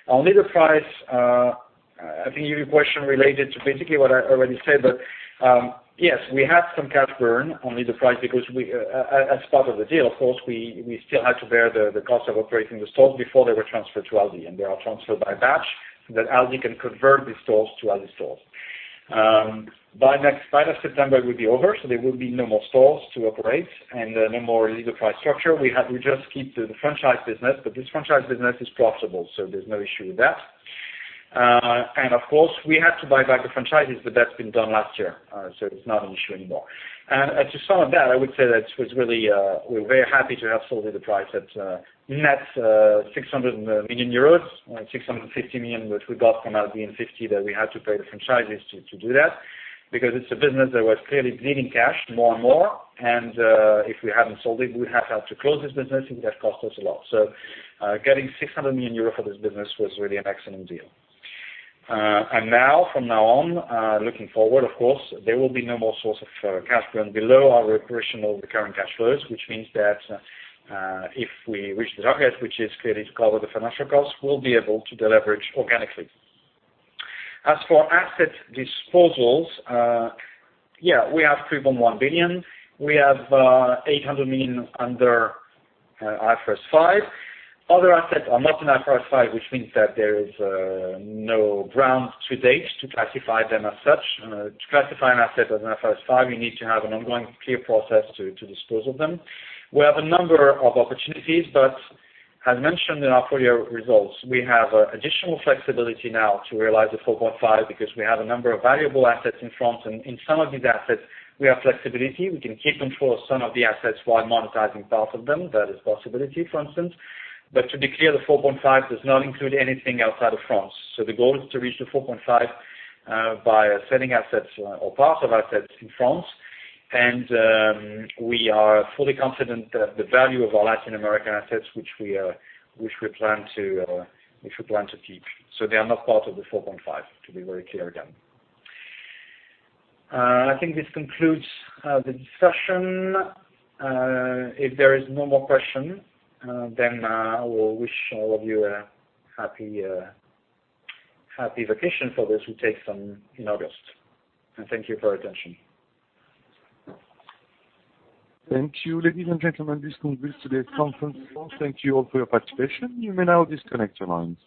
On Leader Price, I think your question related to basically what I already said, but yes, we had some cash burn on Leader Price because as part of the deal, of course, we still had to bear the cost of operating the stores before they were transferred to Aldi, and they are transferred by batch so that Aldi can convert these stores to Aldi stores. By next September, it will be over, so there will be no more stores to operate and no more Leader Price structure. We just keep the franchise business, but this franchise business is profitable, so there's no issue with that. Of course, we had to buy back the franchisee, but that's been done last year, so it's not an issue anymore. To sum it up, I would say that we're very happy to have sold Leader Price at a net 600 million euros, 650 million, which we got from Aldi and [50 million] that we had to pay the franchisee to do that because it's a business that was clearly bleeding cash more and more. If we hadn't sold it, we would have had to close this business, and that cost us a lot. Getting 600 million euro for this business was really an excellent deal. Now, from now on, looking forward, of course, there will be no more source of cash burn below our operational recurring cash flows, which means that if we reach the target, which is clearly to cover the financial costs, we'll be able to deleverage organically. As for asset disposals, we have 3.1 billion. We have 800 million under IFRS 5. Other assets are not in IFRS 5, which means that there is no ground to date to classify them as such. To classify an asset as an IFRS 5, you need to have an ongoing clear process to dispose of them. We have a number of opportunities, as mentioned in our full-year results, we have additional flexibility now to realize the 4.5 billion because we have a number of valuable assets in France, and in some of these assets, we have flexibility. We can keep control of some of the assets while monetizing part of them. That is a possibility, for instance. To be clear, the 4.5 billion does not include anything outside of France. The goal is to reach the 4.5 billion by selling assets or parts of assets in France. We are fully confident that the value of our Latin American assets, which we plan to keep. They are not part of the 4.5 billion, to be very clear again. I think this concludes the discussion. If there is no more question, I will wish all of you a happy vacation for those who take some in August. Thank you for your attention. Thank you, ladies and gentlemen. This concludes today's conference call. Thank you all for your participation. You may now disconnect your lines.